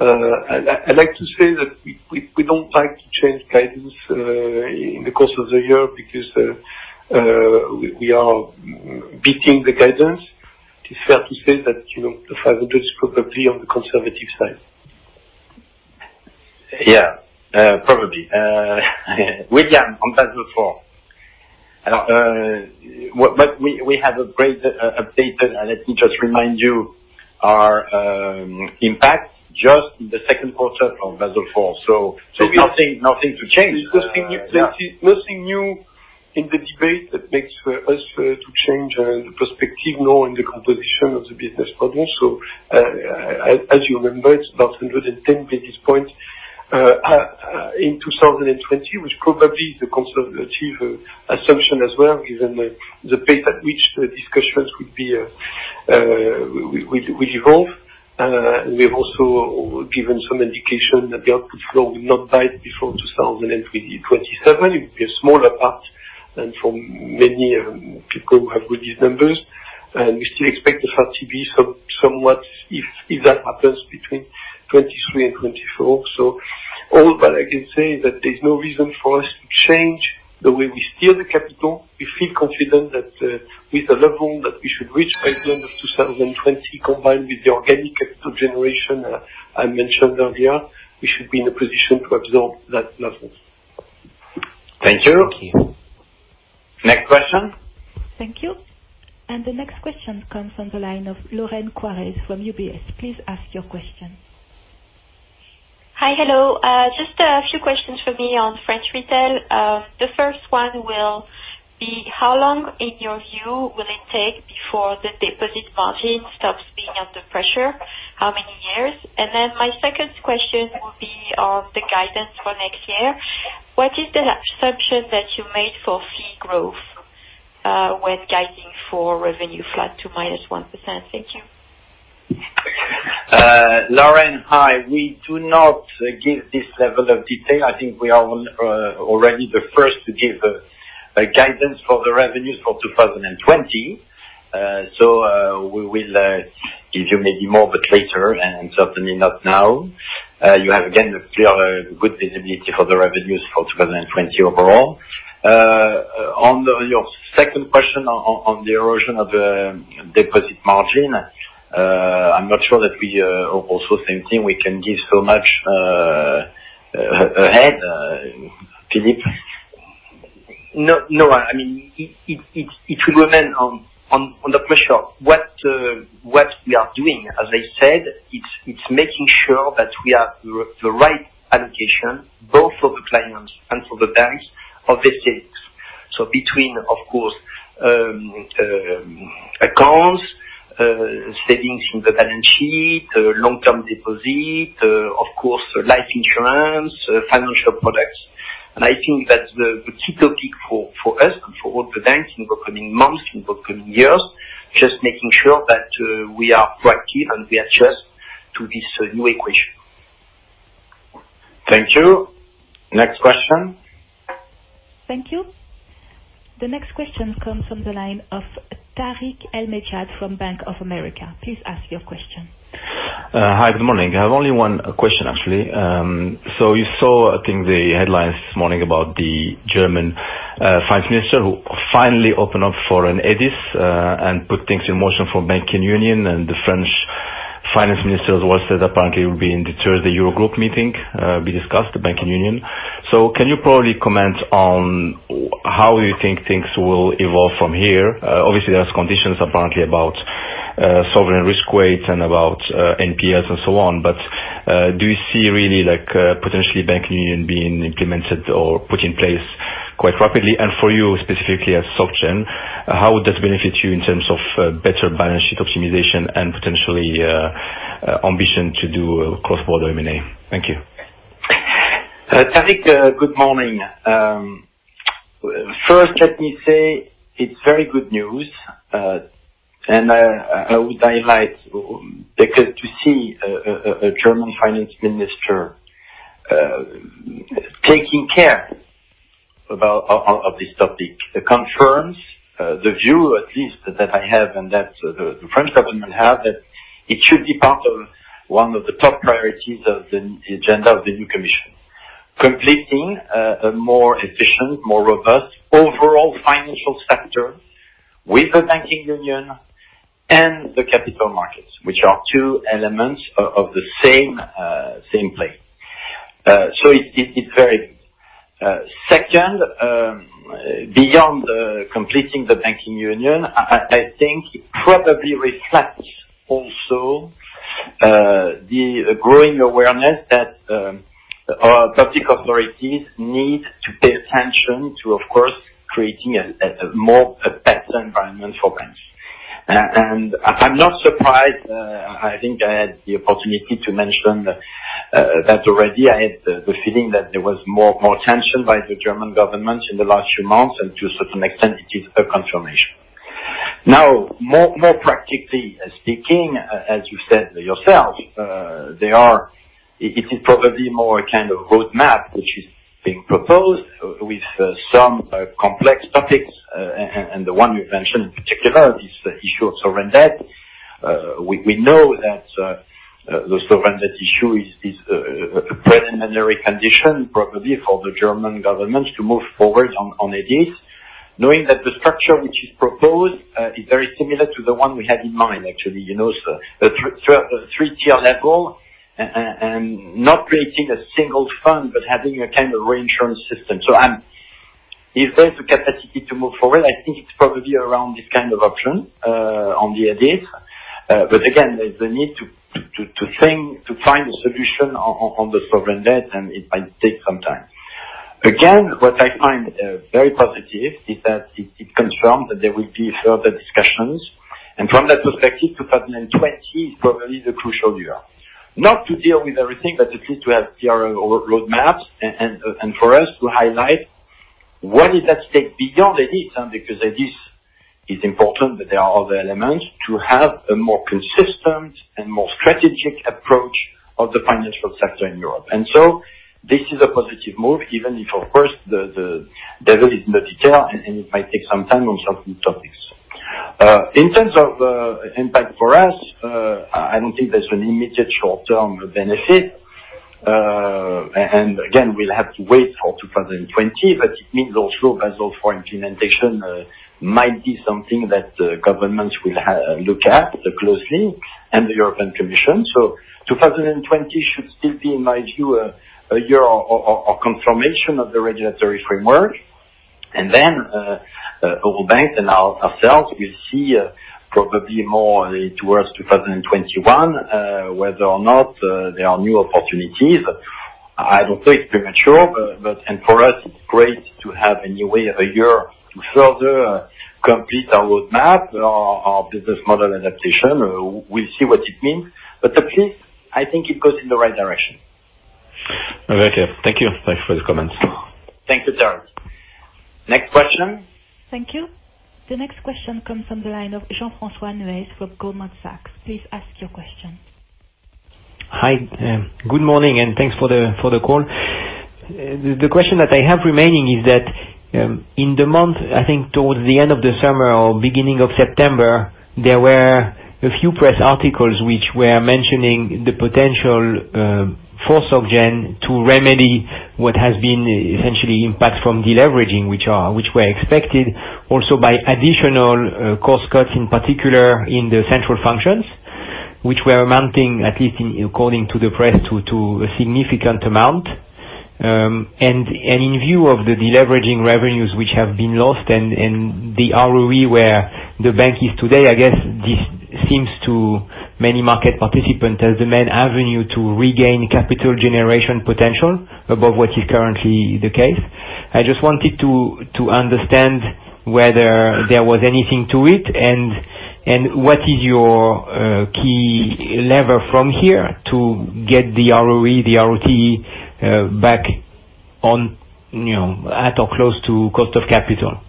I'd like to say that we don't like to change guidance in the course of the year because we are beating the guidance. It's fair to say that the five year is probably on the conservative side. Yeah. Probably. William, on Basel IV. We have a great update. Let me just remind you, our impact just in the second quarter on Basel IV. Nothing to change. There's nothing new in the debate that makes us to change the perspective nor in the composition of the business model. As you remember, it's about 110 basis points in 2020, which probably is the conservative assumption as well, given the pace at which the discussions would evolve. We've also given some indication that the output floor will not die before 2027. It will be a smaller part than for many people who have good numbers. We still expect the FRTB somewhat, if that happens, between 2023 and 2024. All that I can say is that there's no reason for us to change the way we steer the capital. We feel confident that with the level that we should reach by the end of 2020, combined with the organic capital generation I mentioned earlier, we should be in a position to absorb that level. Thank you. Next question. Thank you. The next question comes from the line of Lorraine Quoirez from UBS. Please ask your question. Hi. Hello. Just a few questions for me on French Retail. The first one will be: how long, in your view, will it take before the deposit margin stops being under pressure? How many years? My second question will be on the guidance for next year. What is the assumption that you made for fee growth, with guiding for revenue flat to minus 1%? Thank you. Lorraine, hi. We do not give this level of detail. I think we are already the first to give a guidance for the revenues for 2020. We will give you maybe more, but later, and certainly not now. You have again a clear, good visibility for the revenues for 2020 overall. On your second question on the erosion of the deposit margin, I'm not sure that we are also thinking we can give so much ahead. Philippe? No, it will remain under pressure. What we are doing, as I said, it's making sure that we have the right allocation, both for the clients and for the banks, of the savings. Between, of course, accounts, savings in the balance sheet, long-term deposit, of course, life insurance, financial products. I think that's the key topic for us, for all the banks in the coming months, in the coming years, just making sure that we are proactive and we adjust to this new equation. Thank you. Next question. Thank you. The next question comes from the line of Tarik El Mejjad from Bank of America. Please ask your question. Hi. Good morning. I have only one question, actually. You saw, I think, the headlines this morning about the German finance minister, who finally opened up for an EDIS, and put things in motion for banking union, and the French finance minister as well said, apparently, it will be in the third Eurogroup meeting, will be discussed, the banking union. Can you probably comment on how you think things will evolve from here? Obviously, there's conditions, apparently, about sovereign risk weight and about NPLs and so on. Do you see, really, potentially banking union being implemented or put in place quite rapidly? For you, specifically at Soc Gen, how would that benefit you in terms of better balance sheet optimization and potentially ambition to do cross-border M&A? Thank you. Tarik, good morning. First, let me say it's very good news, and I would highlight, because to see a German finance minister taking care of this topic confirms the view, at least, that I have and that the French government have, that it should be part of one of the top priorities of the agenda of the new commission. Completing a more efficient, more robust overall financial sector with the banking union and the capital markets, which are two elements of the same play. It's very good. Second, beyond completing the banking union, I think it probably reflects also the growing awareness that our public authorities need to pay attention to, of course, creating a better environment for banks. I'm not surprised. I think I had the opportunity to mention that already. I had the feeling that there was more attention by the German government in the last few months, and to a certain extent, it is a confirmation. More practically speaking, as you said yourself, it is probably more a kind of roadmap which is being proposed with some complex topics. The one you mentioned in particular is the issue of sovereign debt. We know that the sovereign debt issue is a preliminary condition, probably, for the German government to move forward on EDIS. Knowing that the structure which is proposed is very similar to the one we had in mind, actually. A three-tier level and not creating a single fund, but having a kind of reinsurance system. If there's a capacity to move forward, I think it's probably around this kind of option on the EDIS. Again, there's a need to think, to find a solution on the sovereign debt, and it might take some time. Again, what I find very positive is that it confirms that there will be further discussions. From that perspective, 2020 is probably the crucial year. Not to deal with everything, but at least to have clear roadmaps, and for us to highlight what is at stake beyond EDIS, because EDIS is important, but there are other elements, to have a more consistent and more strategic approach of the financial sector in Europe. This is a positive move, even if, of course, the devil is in the detail, and it might take some time on certain topics. In terms of impact for us, I don't think there's an immediate short-term benefit. Again, we'll have to wait for 2020, but it means also Basel IV implementation might be something that governments will look at closely, and the European Commission. 2020 should still be, in my view, a year of confirmation of the regulatory framework. Then, global banks and ourselves will see probably more towards 2021, whether or not there are new opportunities. I don't think it's premature, and for us, it's great to have, anyway, a year to further complete our roadmap, our business model adaptation. We'll see what it means. At least, I think it goes in the right direction. Very clear. Thank you. Thanks for the comments. Thank you, Tarik. Next question. Thank you. The next question comes from the line of Jean-François Neuez from Goldman Sachs. Please ask your question. Hi. Good morning. Thanks for the call. The question that I have remaining is that, in the month, I think towards the end of December or beginning of September, there were a few press articles which were mentioning the potential for Soc Gen to remedy what has been essentially impact from deleveraging, which were expected also by additional cost cuts, in particular in the central functions, which were amounting, at least according to the press, to a significant amount. In view of the deleveraging revenues which have been lost, and the ROE where the bank is today, I guess this seems to many market participants as the main avenue to regain capital generation potential above what is currently the case. I just wanted to understand whether there was anything to it, and what is your key lever from here to get the ROE, the ROTE, back at or close to cost of capital.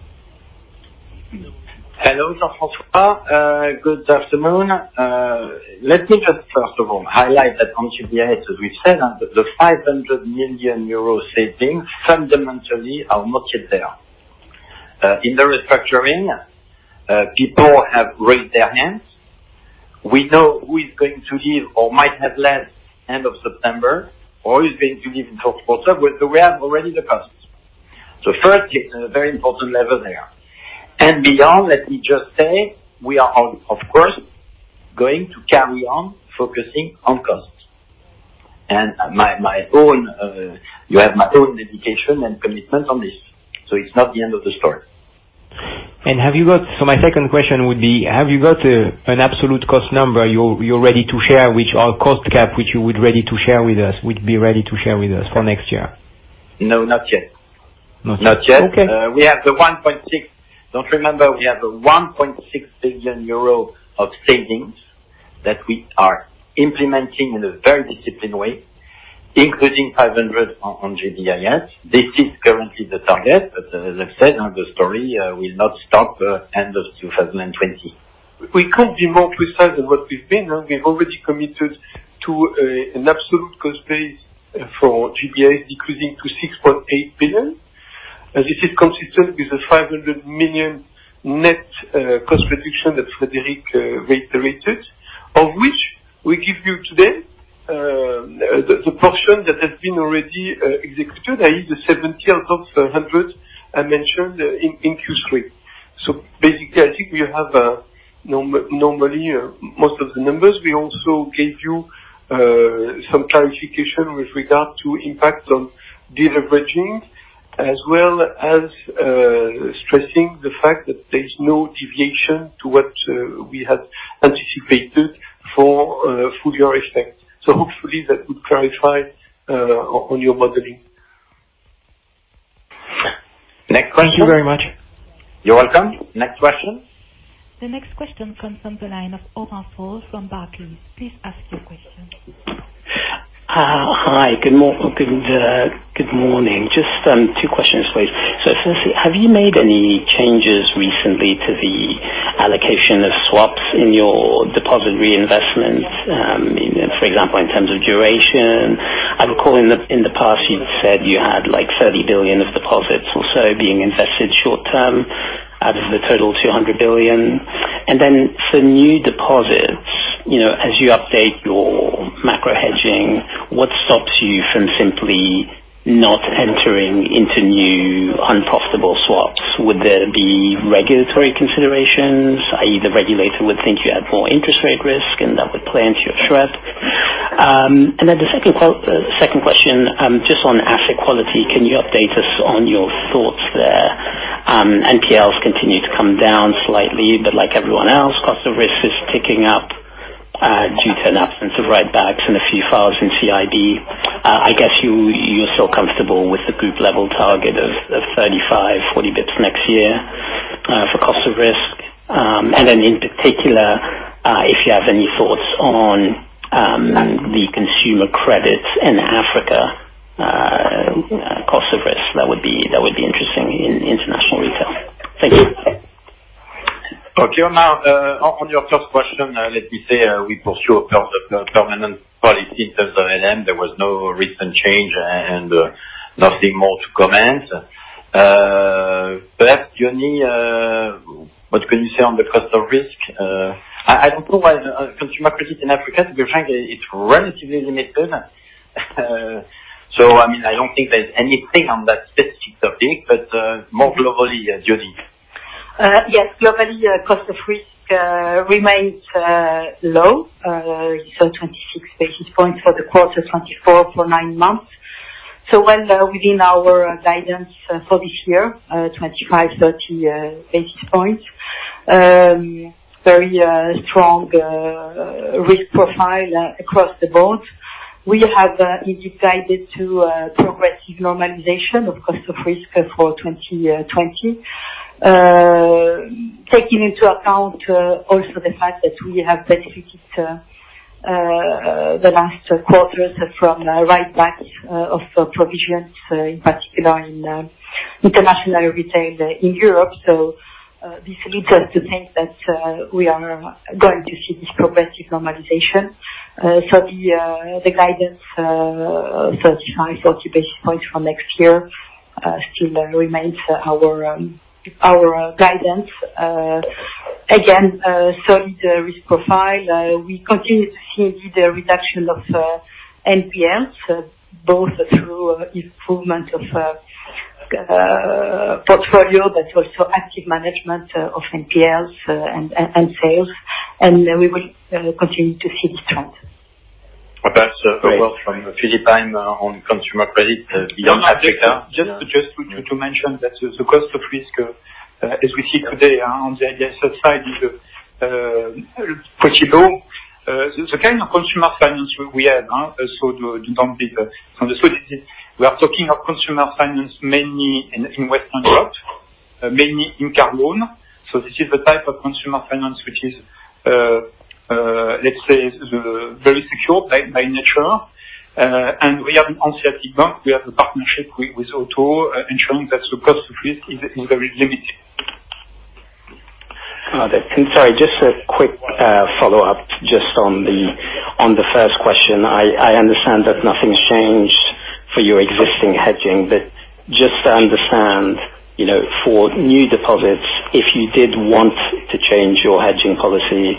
Hello, Jean-François. Good afternoon. Let me just first of all highlight that on GBIS, as we've said, the 500 million euro savings fundamentally are mostly there. In the restructuring, people have raised their hands. We know who is going to leave or might have left end of September, or is going to leave in fourth quarter, but we have already the costs. First, a very important lever there. Beyond, let me just say, we are of course, going to carry on focusing on costs. You have my own dedication and commitment on this, so it's not the end of the story. My second question would be, have you got an absolute cost number you are ready to share, or cost cap which you would be ready to share with us for next year? No, not yet. Not yet, okay. Not yet. Don't forget, we have a 1.6 billion euro of savings that we are implementing in a very disciplined way, including 500 on GBIS. This is currently the target, as I've said, the story will not stop end of 2020. We can't be more precise than what we've been. We've already committed to an absolute cost base for GBIS decreasing to 6.8 billion. This is consistent with the 500 million net cost reduction that Frederic reiterated, of which we give you today the portion that has been already executed, that is the 70/100 I mentioned in Q3. Basically, I think we have normally most of the numbers. We also gave you some clarification with regard to impact on deleveraging, as well as stressing the fact that there's no deviation to what we had anticipated for full year effect. Hopefully that would clarify on your modeling. Next question. Thank you very much. You're welcome. Next question. The next question comes from the line of Amit Goel from Barclays. Please ask your question. Hi, good morning. Just two questions for you. Firstly, have you made any changes recently to the allocation of swaps in your deposit reinvestment? For example, in terms of duration. I recall in the past you'd said you had 30 billion of deposits or so being invested short-term, out of the total 200 billion. For new deposits, as you update your macro hedging, what stops you from simply not entering into new unprofitable swaps? Would there be regulatory considerations, i.e., the regulator would think you had more interest rate risk and that would play into your SREP? The second question, just on asset quality, can you update us on your thoughts there? NPLs continue to come down slightly, but like everyone else, cost of risk is ticking up due to an absence of write-backs and a few files in CIB. I guess you're still comfortable with the group level target of 35, 40 basis points next year for cost of risk. In particular, if you have any thoughts on the consumer credit in Africa cost of risk, that would be interesting in International Retail. Thank you. Okay, on your first question, let me say we pursue a permanent policy in terms of NII. There was no recent change and nothing more to comment. Perhaps, Jodie, what can you say on the cost of risk? I don't know why consumer credit in Africa, to be frank, it's relatively limited. I don't think there's anything on that specific topic, but more globally, Jodie. Yes. Globally, cost of risk remains low. 26 basis points for the quarter, 24 for nine months. Well within our guidance for this year, 25-30 basis points. Very strong risk profile across the board. We have indeed guided to progressive normalization of cost of risk for 2020. Taking into account also the fact that we have benefited the last quarters from write-backs of provisions, in particular in International Retail Banking in Europe. This leads us to think that we are going to see this progressive normalization. The guidance, 35-40 basis points for next year, still remains our guidance. Again, solid risk profile. We continue to see the reduction of NPLs, both through improvement of portfolio, but also active management of NPLs and sales. We will continue to see this trend. Perhaps a word from Philippe on consumer credit beyond Africa. Just to mention that the cost of risk, as we see today on the asset side, is pretty low. The kind of consumer finance we have, to be understood, is we are talking of consumer finance mainly in West and Central, mainly in car loan. This is the type of consumer finance, which is, let's say, very secure by nature. We have an on-site bank, we have a partnership with Otto Insurance. That's because the risk is very limited. Got it. Sorry, just a quick follow-up. Just on the first question, I understand that nothing's changed for your existing hedging, but just to understand, for new deposits, if you did want to change your hedging policy,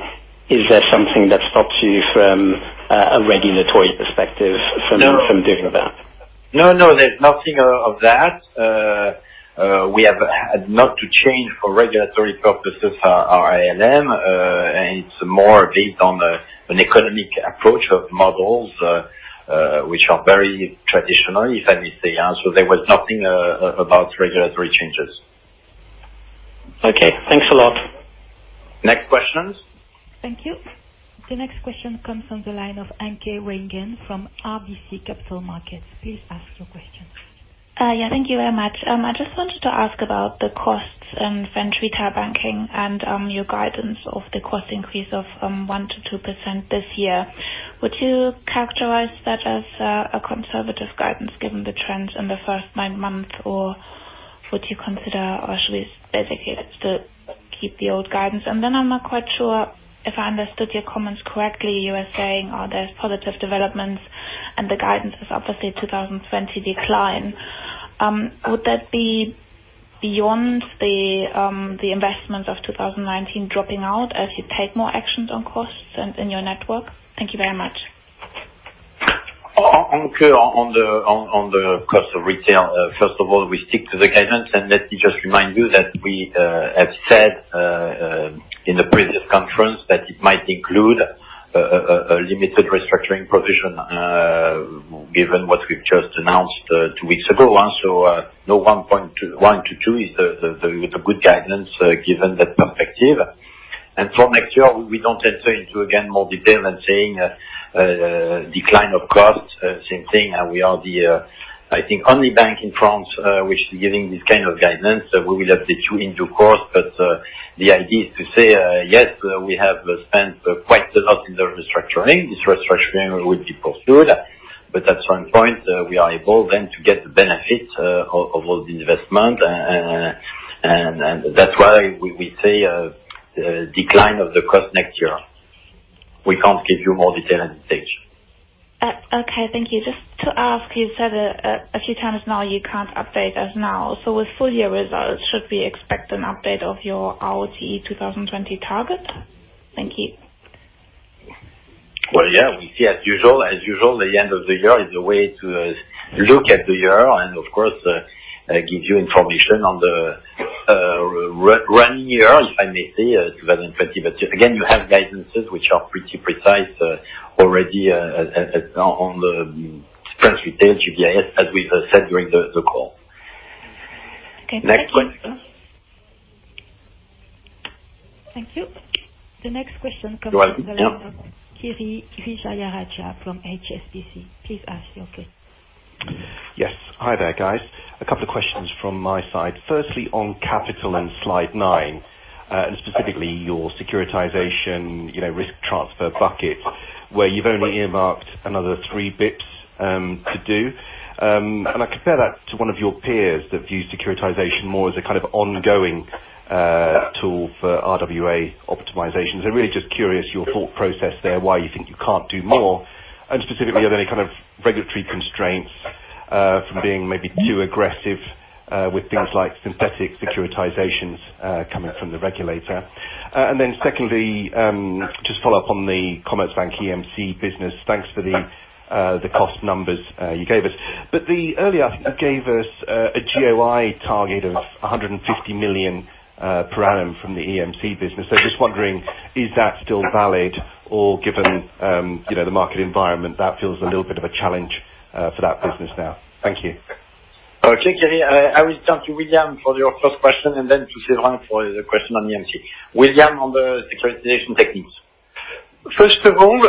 is there something that stops you from a regulatory perspective from? No doing that? No, there's nothing of that. We have not to change for regulatory purposes, our ALM, and it's more based on an economic approach of models, which are very traditional, if I may say. There was nothing about regulatory changes. Okay. Thanks a lot. Next questions. Thank you. The next question comes from the line of Anke Reingen from RBC Capital Markets. Please ask your question. Yeah, thank you very much. I just wanted to ask about the costs in French Retail Banking and your guidance of the cost increase of 1%-2% this year. Would you characterize that as a conservative guidance given the trends in the first nine months, or would you consider, or should we basically keep the old guidance? I'm not quite sure if I understood your comments correctly. You were saying there's positive developments and the guidance is obviously 2020 decline. Would that be beyond the investments of 2019 dropping out as you take more actions on costs and in your network? Thank you very much. Anke, on the cost of retail, first of all, we stick to the guidance. Let me just remind you that we have said, in the previous conference, that it might include a limited restructuring provision, given what we've just announced two weeks ago. 1%-2% is the good guidance given that perspective. For next year, we don't enter into, again, more detail than saying a decline of cost. Same thing, we are the, I think, only bank in France which is giving this kind of guidance. We will update you into cost, but the idea is to say, yes, we have spent quite a lot in the restructuring. This restructuring will be pursued. At some point, we are able then to get the benefit of all the investment, that's why we say a decline of the cost next year. We can't give you more detail than this. Okay. Thank you. Just to ask, you said a few times now, you can't update us now. With full year results, should we expect an update of your ROTE 2020 target? Thank you. Well, yeah. As usual, the end of the year is a way to look at the year and, of course, give you information on the running year, if I may say, 2020. Again, you have guidances, which are pretty precise already on the French Retail GPAS, as we've said during the call. Okay. Thank you. Next one. Thank you. The next question. You are welcome. Yep. from Kiri Vijayarajah from HSBC. Please ask your question. Yes. Hi there, guys. A couple of questions from my side. Firstly, on capital in slide nine, and specifically your securitization risk transfer bucket, where you've only earmarked another three bits to do. I compare that to one of your peers that view securitization more as a kind of ongoing tool for RWA optimization. Really just curious your thought process there, why you think you can't do more. Specifically, are there any kind of regulatory constraints from being maybe too aggressive with things like synthetic securitizations coming from the regulator? Secondly, just follow up on the Commerzbank EMC business. Thanks for the cost numbers you gave us. Earlier, I think you gave us a GOI target of 150 million per annum from the EMC business. Just wondering, is that still valid, or given the market environment, that feels a little bit of a challenge for that business now. Thank you. Okay, Kiri. I will turn to William for your first question, and then to Sylvain for the question on EMC. William, on the securitization techniques. First of all,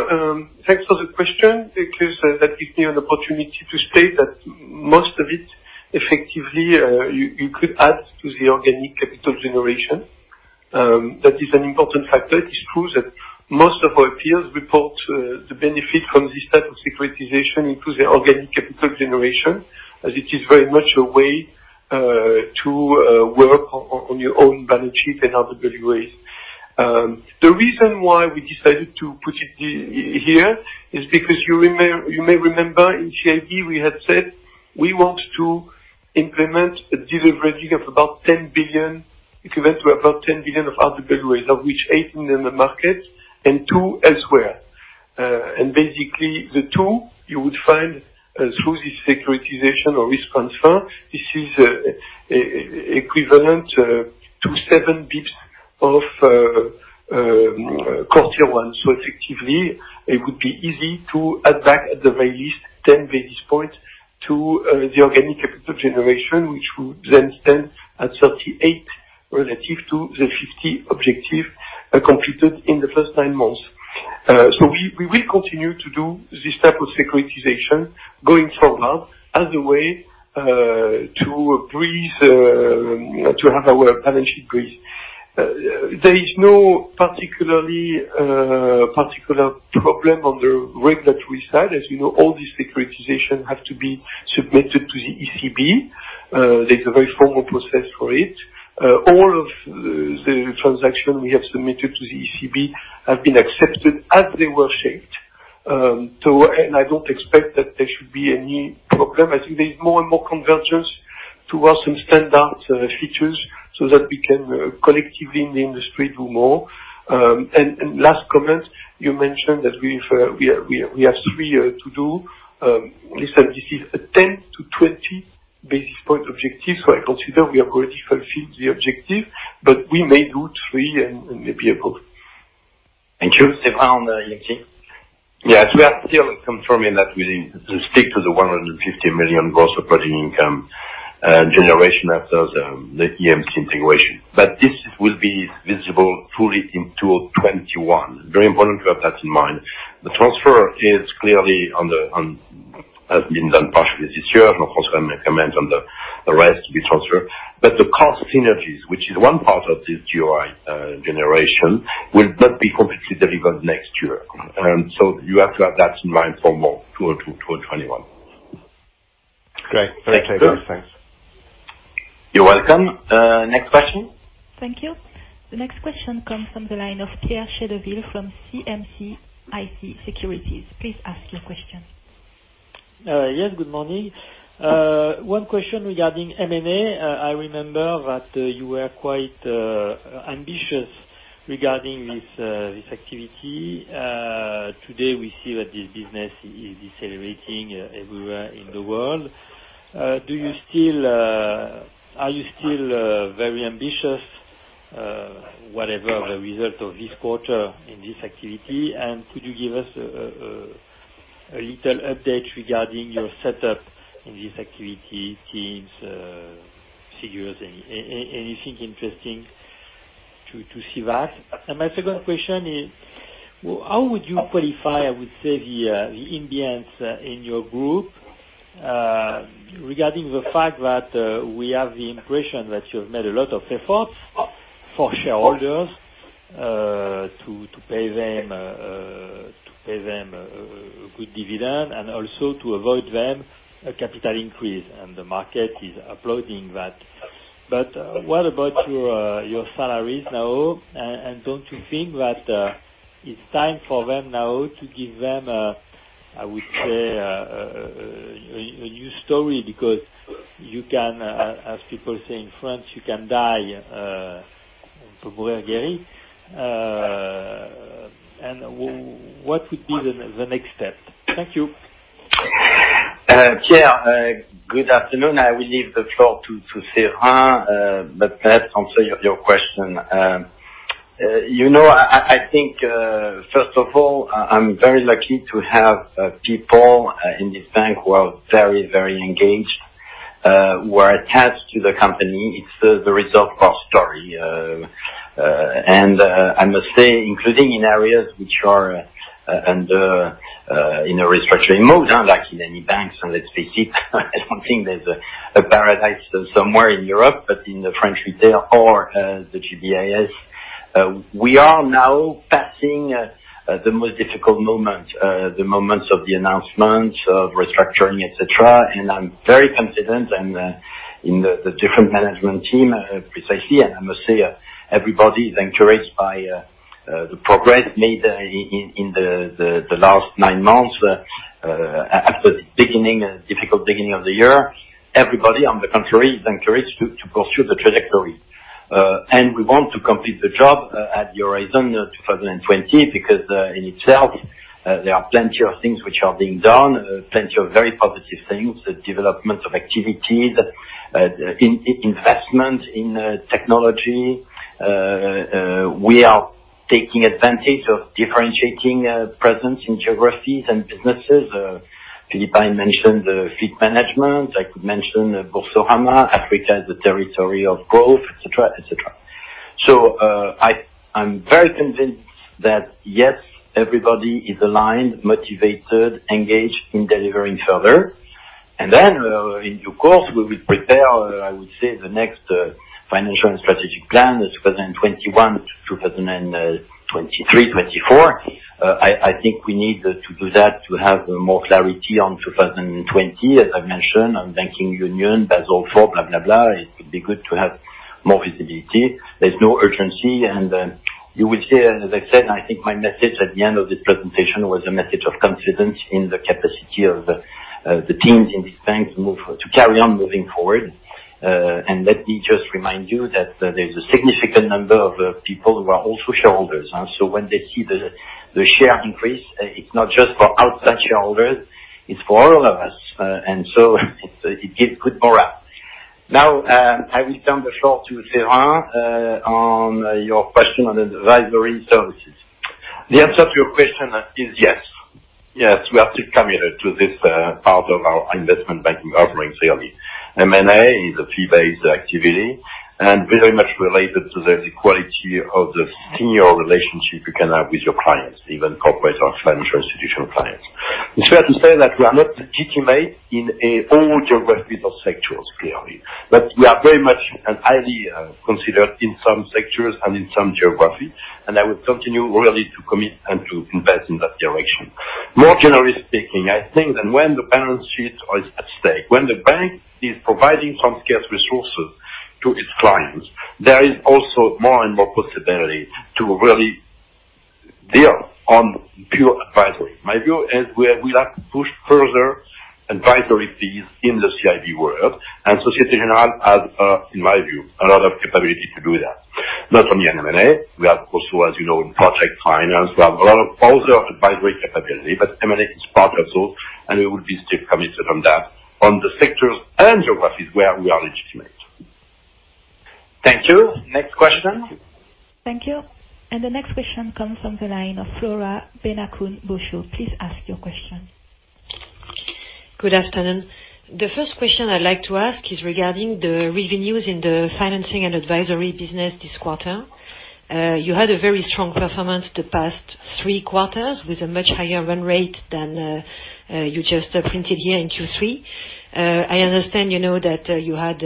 thanks for the question, because that gives me an opportunity to state that most of it effectively, you could add to the organic capital generation. That is an important factor. It is true that most of our peers report the benefit from this type of securitization into the organic capital generation, as it is very much a way to work on your own balance sheet and RWA. The reason why we decided to put it here is because you may remember in SHD, we had said we want to implement a de-leveraging of about 10 billion, equivalent to about 10 billion of RWA, of which eight in the market and two elsewhere. Basically the two you would find through this securitization or risk transfer, this is equivalent to 7 bps of core Tier 1. Effectively, it would be easy to add back at the very least 10 basis points to the organic capital generation, which would then stand at 38 relative to the 50 objective completed in the first nine months. We will continue to do this type of securitization going forward as a way to have our balance sheet breathe. There is no particular problem on the regulatory side. As you know, all these securitizations have to be submitted to the ECB. There's a very formal process for it. All of the transactions we have submitted to the ECB have been accepted as they were shaped. I don't expect that there should be any problem. I think there's more and more convergence towards some standard features, so that we can collectively in the industry do more. Last comment, you mentioned that we have three to do. Listen, this is a 10-20 basis point objective, so I consider we have already fulfilled the objective, but we may do three and maybe above. Thank you. Séverin? Yes, we are still confirming that we stick to the 150 million gross operating income generation after the EMC integration. This will be visible fully into 2021. Very important to have that in mind. The transfer has been done partially this year. Of course, I will make a comment on the rest to be transferred. The cost synergies, which is one part of this GOI generation, will not be completely delivered next year. You have to have that in mind for more, toward 2021. Great. Thanks everyone. You're welcome. Next question. Thank you. The next question comes from the line of Pierre Chedeville from CM-CIC Securities. Please ask your question. Yes, good morning. One question regarding M&A. I remember that you were quite ambitious regarding this activity. Today we see that this business is decelerating everywhere in the world. Are you still very ambitious, whatever the result of this quarter in this activity? Could you give us a little update regarding your setup in this activity, teams, figures, anything interesting to see that? My second question is, how would you qualify, I would say, the ambience in your group, regarding the fact that we have the impression that you have made a lot of efforts for shareholders, to pay them a good dividend, and also to avoid them a capital increase, and the market is applauding that. What about your salaries now? Don't you think that it's time for them now to give them, I would say, a new story, because as people say in France, you can die, French, and what would be the next step? Thank you. Pierre, good afternoon. I will leave the floor to Séverin, but perhaps answer your question. I think, first of all, I'm very lucky to have people in this bank who are very engaged, who are attached to the company. It's the result of story. I must say, including in areas which are under restructuring moves, unlike in any banks, let's face it, I don't think there's a paradise somewhere in Europe, but in the French Retail or the GBIS. We are now passing the most difficult moment, the moments of the announcement, of restructuring, et cetera, and I'm very confident in the different management team precisely. I must say, everybody is encouraged by the progress made in the last nine months, after the difficult beginning of the year. Everybody, on the contrary, is encouraged to pursue the trajectory. We want to complete the job at the horizon of 2020, because in itself, there are plenty of things which are being done, plenty of very positive things, the development of activities, investment in technology. We are taking advantage of differentiating presence in geographies and businesses. Philippe mentioned the fleet management. I could mention Boursorama, Africa as a territory of growth, et cetera. I'm very convinced that, yes, everybody is aligned, motivated, engaged in delivering further. In due course, we will prepare, I would say, the next financial and strategic plan, the 2021 to 2023, 2024. I think we need to do that to have more clarity on 2020. As I've mentioned, on banking union, Basel IV, blah, blah, it could be good to have more visibility. There's no urgency, you will see, as I said, and I think my message at the end of this presentation was a message of confidence in the capacity of the teams in this bank to carry on moving forward. Let me just remind you that there's a significant number of people who are also shareholders. When they see the share increase, it's not just for outside shareholders, it's for all of us. It gives good morale. Now, I will turn the floor to Sylvian on your question on the advisory services. The answer to your question is yes. Yes, we are still committed to this part of our investment banking offerings, clearly. M&A is a fee-based activity and very much related to the quality of the senior relationship you can have with your clients, even corporate or financial institutional clients. It's fair to say that we are not legitimate in all geographies or sectors, clearly, but we are very much and highly considered in some sectors and in some geographies, and I will continue really to commit and to invest in that direction. More generally speaking, I think that when the balance sheet is at stake, when the bank is providing some scarce resources to its clients, there is also more and possibility to really deal on pure advisory. My view is we will have to push further advisory fees in the CIB world, and Société Générale has, in my view, a lot of capability to do that. Not only on M&A, we have also, as you know, in project finance, we have a lot of other advisory capability, but M&A is part of those, and we will be still committed on that on the sectors and geographies where we are legitimate. Thank you. Next question. Thank you. The next question comes from the line of Flora Bocahut. Please ask your question. Good afternoon. The first question I'd like to ask is regarding the revenues in the financing and advisory business this quarter. You had a very strong performance the past three quarters with a much higher run rate than you just printed here in Q3. I understand you know that you had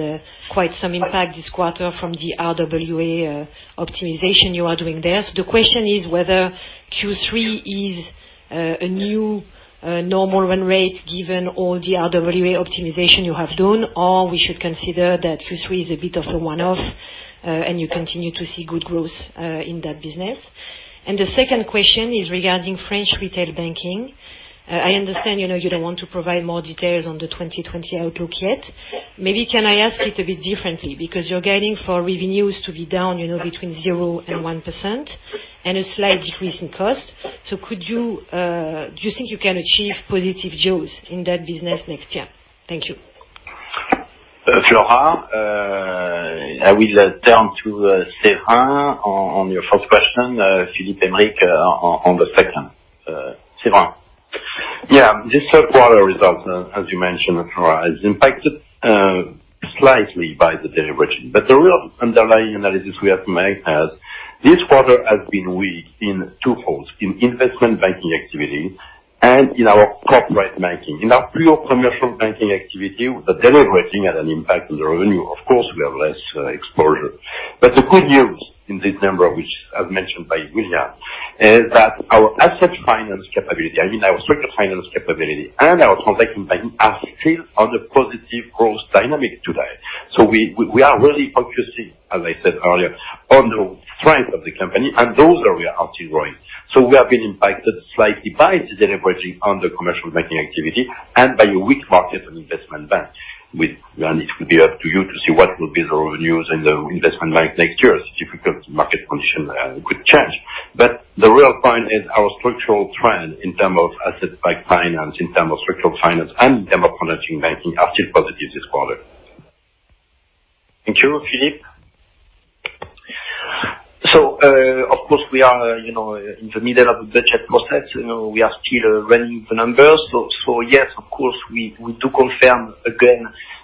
quite some impact this quarter from the RWA optimization you are doing there. The question is whether Q3 is a new normal run rate given all the RWA optimization you have done, or we should consider that Q3 is a bit of a one-off, and you continue to see good growth in that business. The second question is regarding French Retail Banking. I understand you don't want to provide more details on the 2020 outlook yet. Maybe can I ask it a bit differently? You're guiding for revenues to be down between zero and 1%, and a slight decrease in cost. Do you think you can achieve positive growth in that business next year? Thank you. Flora, I will turn to Serge on your first question, Philippe Heim on the second. Serge. Yeah. This third quarter result, as you mentioned, Flora, is impacted slightly by the deleveraging. The real underlying analysis we have made is, this quarter has been weak in two folds, in investment banking activity and in our corporate banking. In our pure commercial banking activity, the deleveraging had an impact on the revenue. Of course, we have less exposure. The good news in this number, which as mentioned by William, is that our asset finance capability, I mean our structured finance capability and our transaction banking are still on a positive growth dynamic today. We are really focusing, as I said earlier, on the strength of the company, and those areas are still growing. We have been impacted slightly by the deleveraging on the commercial banking activity and by a weak market on investment bank. Well, it will be up to you to see what will be the revenues in the investment bank next year, as difficult market condition could change. The real point is our structural trend in terms of asset-backed finance, in terms of structural finance, and in terms of financing banking are still positive this quarter. Thank you. Philippe? Of course we are in the middle of the budget process, we are still running the numbers. Yes, of course, we do confirm again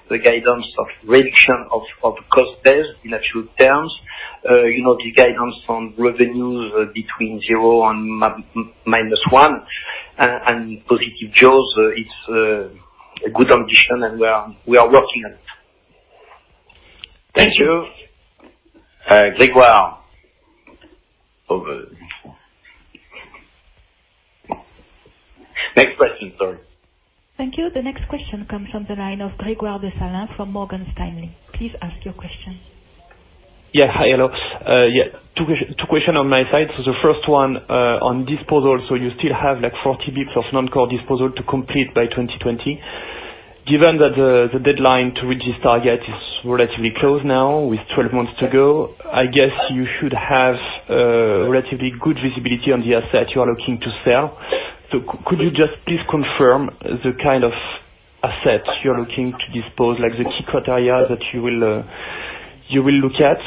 the guidance of reduction of cost base in actual terms. The guidance on revenues between zero and -1, and positive growth, it's a good ambition, and we are working on it. Thank you. Next question, sorry. Thank you. The next question comes from the line of Gregoire Delanoue from Morgan Stanley. Please ask your question. Yeah. Hi. Hello. Two question on my side. The first one, on disposal, you still have 40 basis points of non-core disposal to complete by 2020. Given that the deadline to reach this target is relatively close now, with 12 months to go, I guess you should have a relatively good visibility on the asset you are looking to sell. Could you just please confirm the kind of assets you're looking to dispose, like the key criteria that you will look at?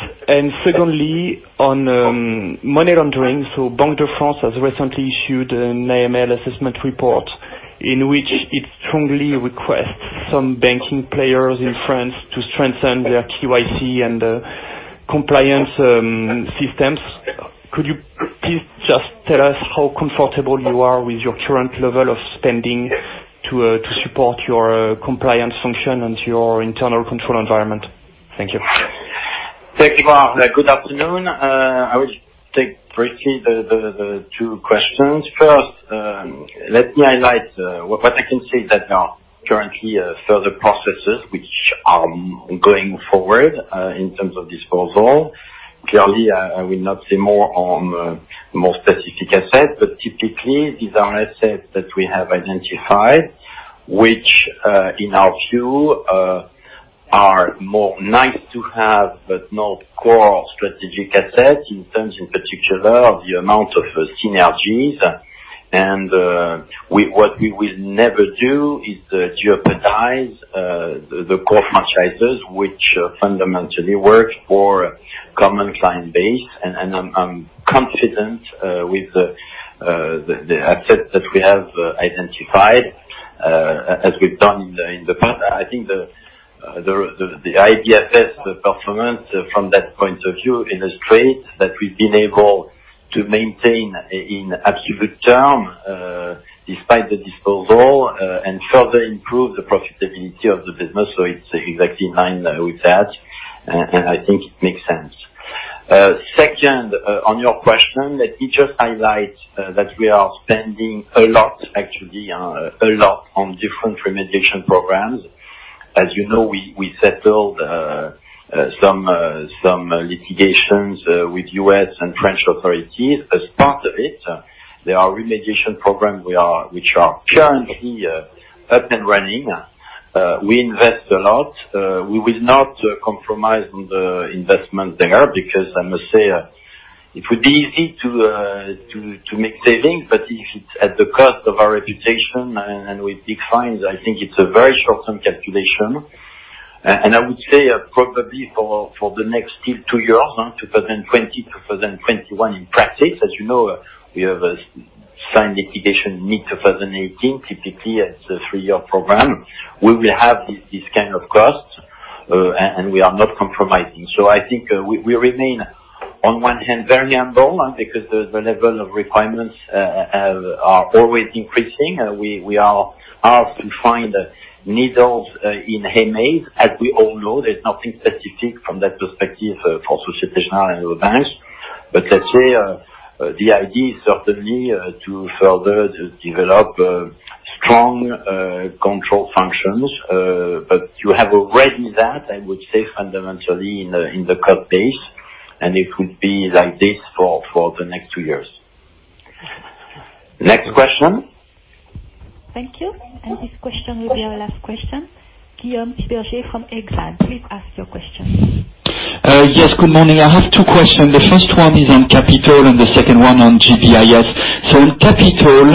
Secondly, on money laundering, Banque de France has recently issued an AML assessment report in which it strongly requests some banking players in France to strengthen their KYC and compliance systems. Could you please just tell us how comfortable you are with your current level of spending to support your compliance function and your internal control environment? Thank you. Gregoire, good afternoon. I will take briefly the two questions. First, let me highlight, what I can say is that there are currently further processes which are going forward, in terms of disposal. Clearly, I will not say more on more specific assets, but typically, these are assets that we have identified, which, in our view, are more nice to have, but not core strategic assets in terms in particular of the amount of synergies. What we will never do is jeopardize the core franchises, which fundamentally work for common client base. I'm confident with the assets that we have identified, as we've done in the past. I think the IBFS performance from that point of view illustrates that we've been able to maintain in absolute term, despite the disposal, and further improve the profitability of the business. It's exactly in line with that, and I think it makes sense. Second, on your question, it just highlights that we are spending a lot actually on different remediation programs. As you know, we settled some litigations with U.S. and French authorities. As part of it, there are remediation program which are currently up and running. We invest a lot. We will not compromise on the investment there, because I must say it would be easy to make savings, but if it's at the cost of our reputation and with big fines, I think it's a very short-term calculation. I would say probably for the next two years, 2020, 2021, in practice, as you know, we have signed litigation mid-2018, typically it's a three-year program. We will have this kind of cost, and we are not compromising. I think we remain, on one hand, very humble, because the level of requirements are always increasing. We are often find needles in a haystack. As we all know, there's nothing specific from that perspective for Société Générale and other banks. Let's say, the idea is certainly to further develop strong control functions, but you have already that, I would say fundamentally in the cost base, and it will be like this for the next two years. Next question. Thank you. This question will be our last question. Guillaume Tiberghien from Exane, please ask your question. Yes, good morning. I have two questions. The first one is on capital and the second one on GBIS. The first one on capital,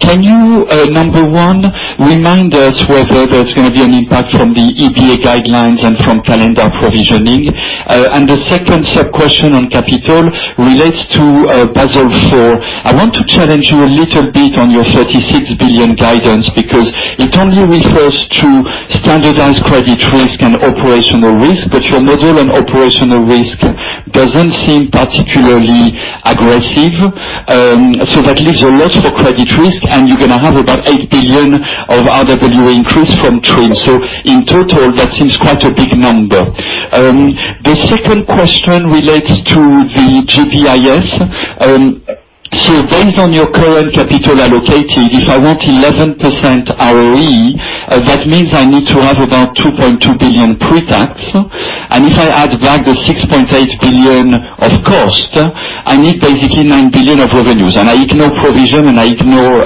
can you, number one, remind us whether there's going to be an impact from the EBA guidelines and from calendar provisioning? The second sub-question on capital relates to Basel IV. I want to challenge you a little bit on your 36 billion guidance, because it only refers to standardized credit risk and operational risk, but your model on operational risk doesn't seem particularly aggressive. That leaves a lot for credit risk, and you're going to have about EUR 8 billion of RWA increase from TRIM. In total, that seems quite a big number. The second question relates to the GBIS. Based on your current capital allocated, if I want 11% ROE, that means I need to have about 2.2 billion pre-tax. If I add back the 6.8 billion of cost, I need basically 9 billion of revenues. I ignore provision, and I ignore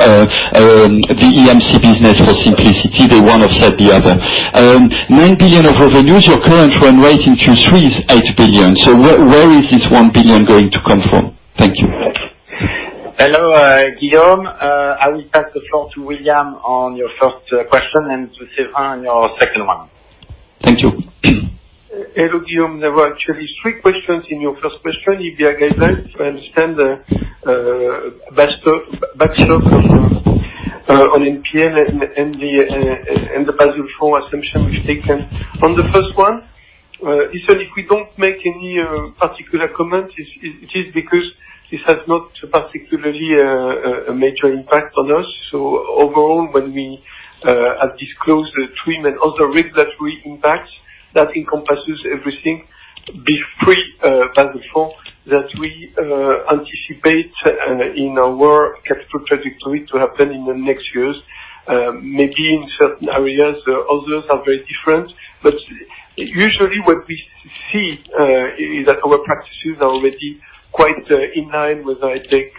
the EMC business for simplicity. They one offset the other. 9 billion of revenues, your current run rate in Q3 is 8 billion. Where is this 1 billion going to come from? Thank you. Hello, Guillaume. I will pass the floor to William on your first question and to Steven on your second one. Thank you. Hello, Guillaume. There were actually three questions in your first question. EBA guidelines, I understand the backstop question on NPL and the Basel IV assumption we've taken. On the first one, if we don't make any particular comment, it is because this has not particularly a major impact on us. Overall, when we have disclosed the TRIM and other regulatory impacts, that encompasses everything. Be it pre-Basel IV that we anticipate in our capital trajectory to happen in the next years, maybe in certain areas, others are very different. Usually what we see is that our practices are already quite in line, whether I take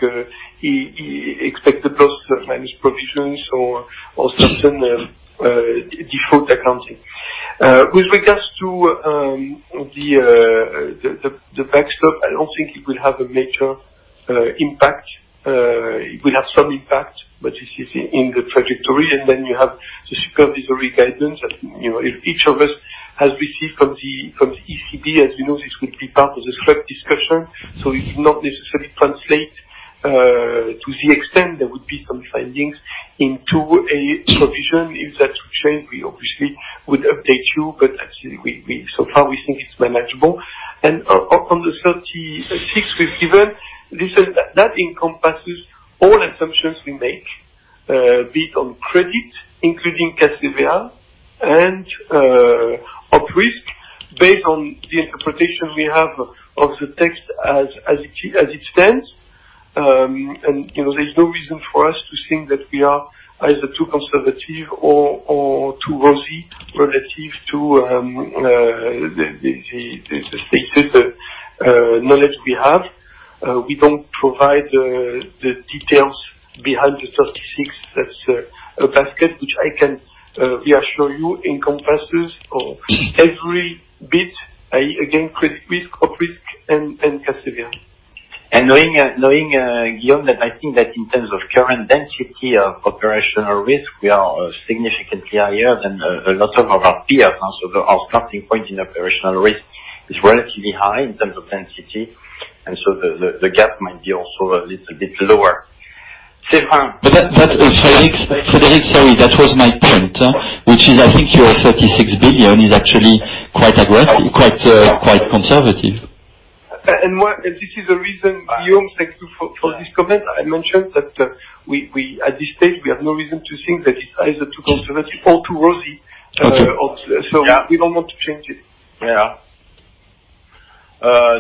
expect the plus minus provisions or certain default accounting. With regards to the backstop, I don't think it will have a major impact. It will have some impact, but it is in the trajectory, and then you have the supervisory guidance that each of us has received from the ECB. As you know, this will be part of the SREP discussion, so it will not necessarily translate to the extent there would be some findings into a provision. If that should change, we obviously would update you, but actually so far, we think it's manageable. On the 36 we've given, that encompasses all assumptions we make, be it on credit, including Castilla, and of risk, based on the interpretation we have of the text as it stands. There's no reason for us to think that we are either too conservative or too rosy relative to the stated knowledge we have. We don't provide the details behind the 36. That's a basket, which I can reassure you encompasses every bit, again, credit risk, op risk, and CVA. Knowing, Guillaume, that I think that in terms of current density of operational risk, we are significantly higher than a lot of our peers. Our starting point in operational risk is relatively high in terms of density. The gap might be also a little bit lower. Frederic, sorry, that was my point, which is, I think your EUR 36 billion is actually quite conservative. This is the reason, Guillaume, thank you for this comment. I mentioned that at this stage, we have no reason to think that it's either too conservative or too rosy. Okay. We don't want to change it. Yeah.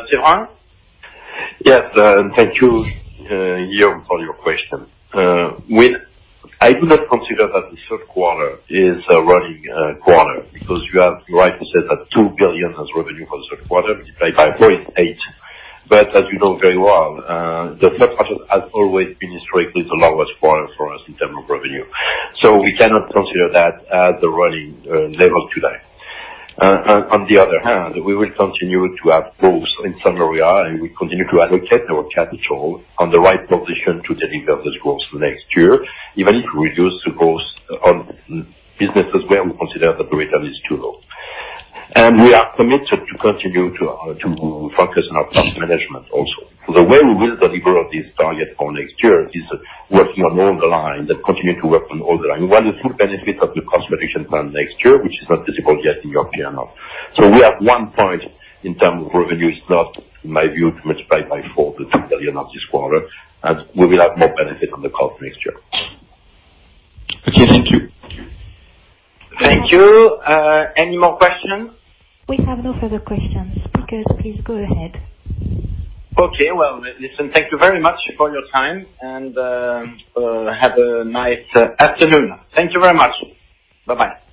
Sylvain? Yes. Thank you, Guillaume, for your question. I do not consider that the third quarter is a running quarter because you are right to say that 2 billion as revenue for the third quarter, which is by 4.8. As you know very well, the third quarter has always been historically the lowest quarter for us in terms of revenue. We cannot consider that as the running level today. On the other hand, we will continue to have growth in San Maria, and we continue to allocate our capital on the right position to deliver this growth next year, even if we reduce the growth on businesses where we consider the growth rate is too low. We are committed to continue to focus on our cost management also. The way we will deliver this target for next year is working along the line, that continue to work on all the line. We want the full benefit of the cost-reduction plan next year, which is not visible yet in your P&L. We have one point in term of revenue is not, in my view, to multiply by four the 2 billion of this quarter, as we will have more benefit on the cost next year. Okay, thank you. Thank you. Any more questions? We have no further questions. Speakers, please go ahead. Okay. Well, listen, thank you very much for your time, and have a nice afternoon. Thank you very much. Bye-bye.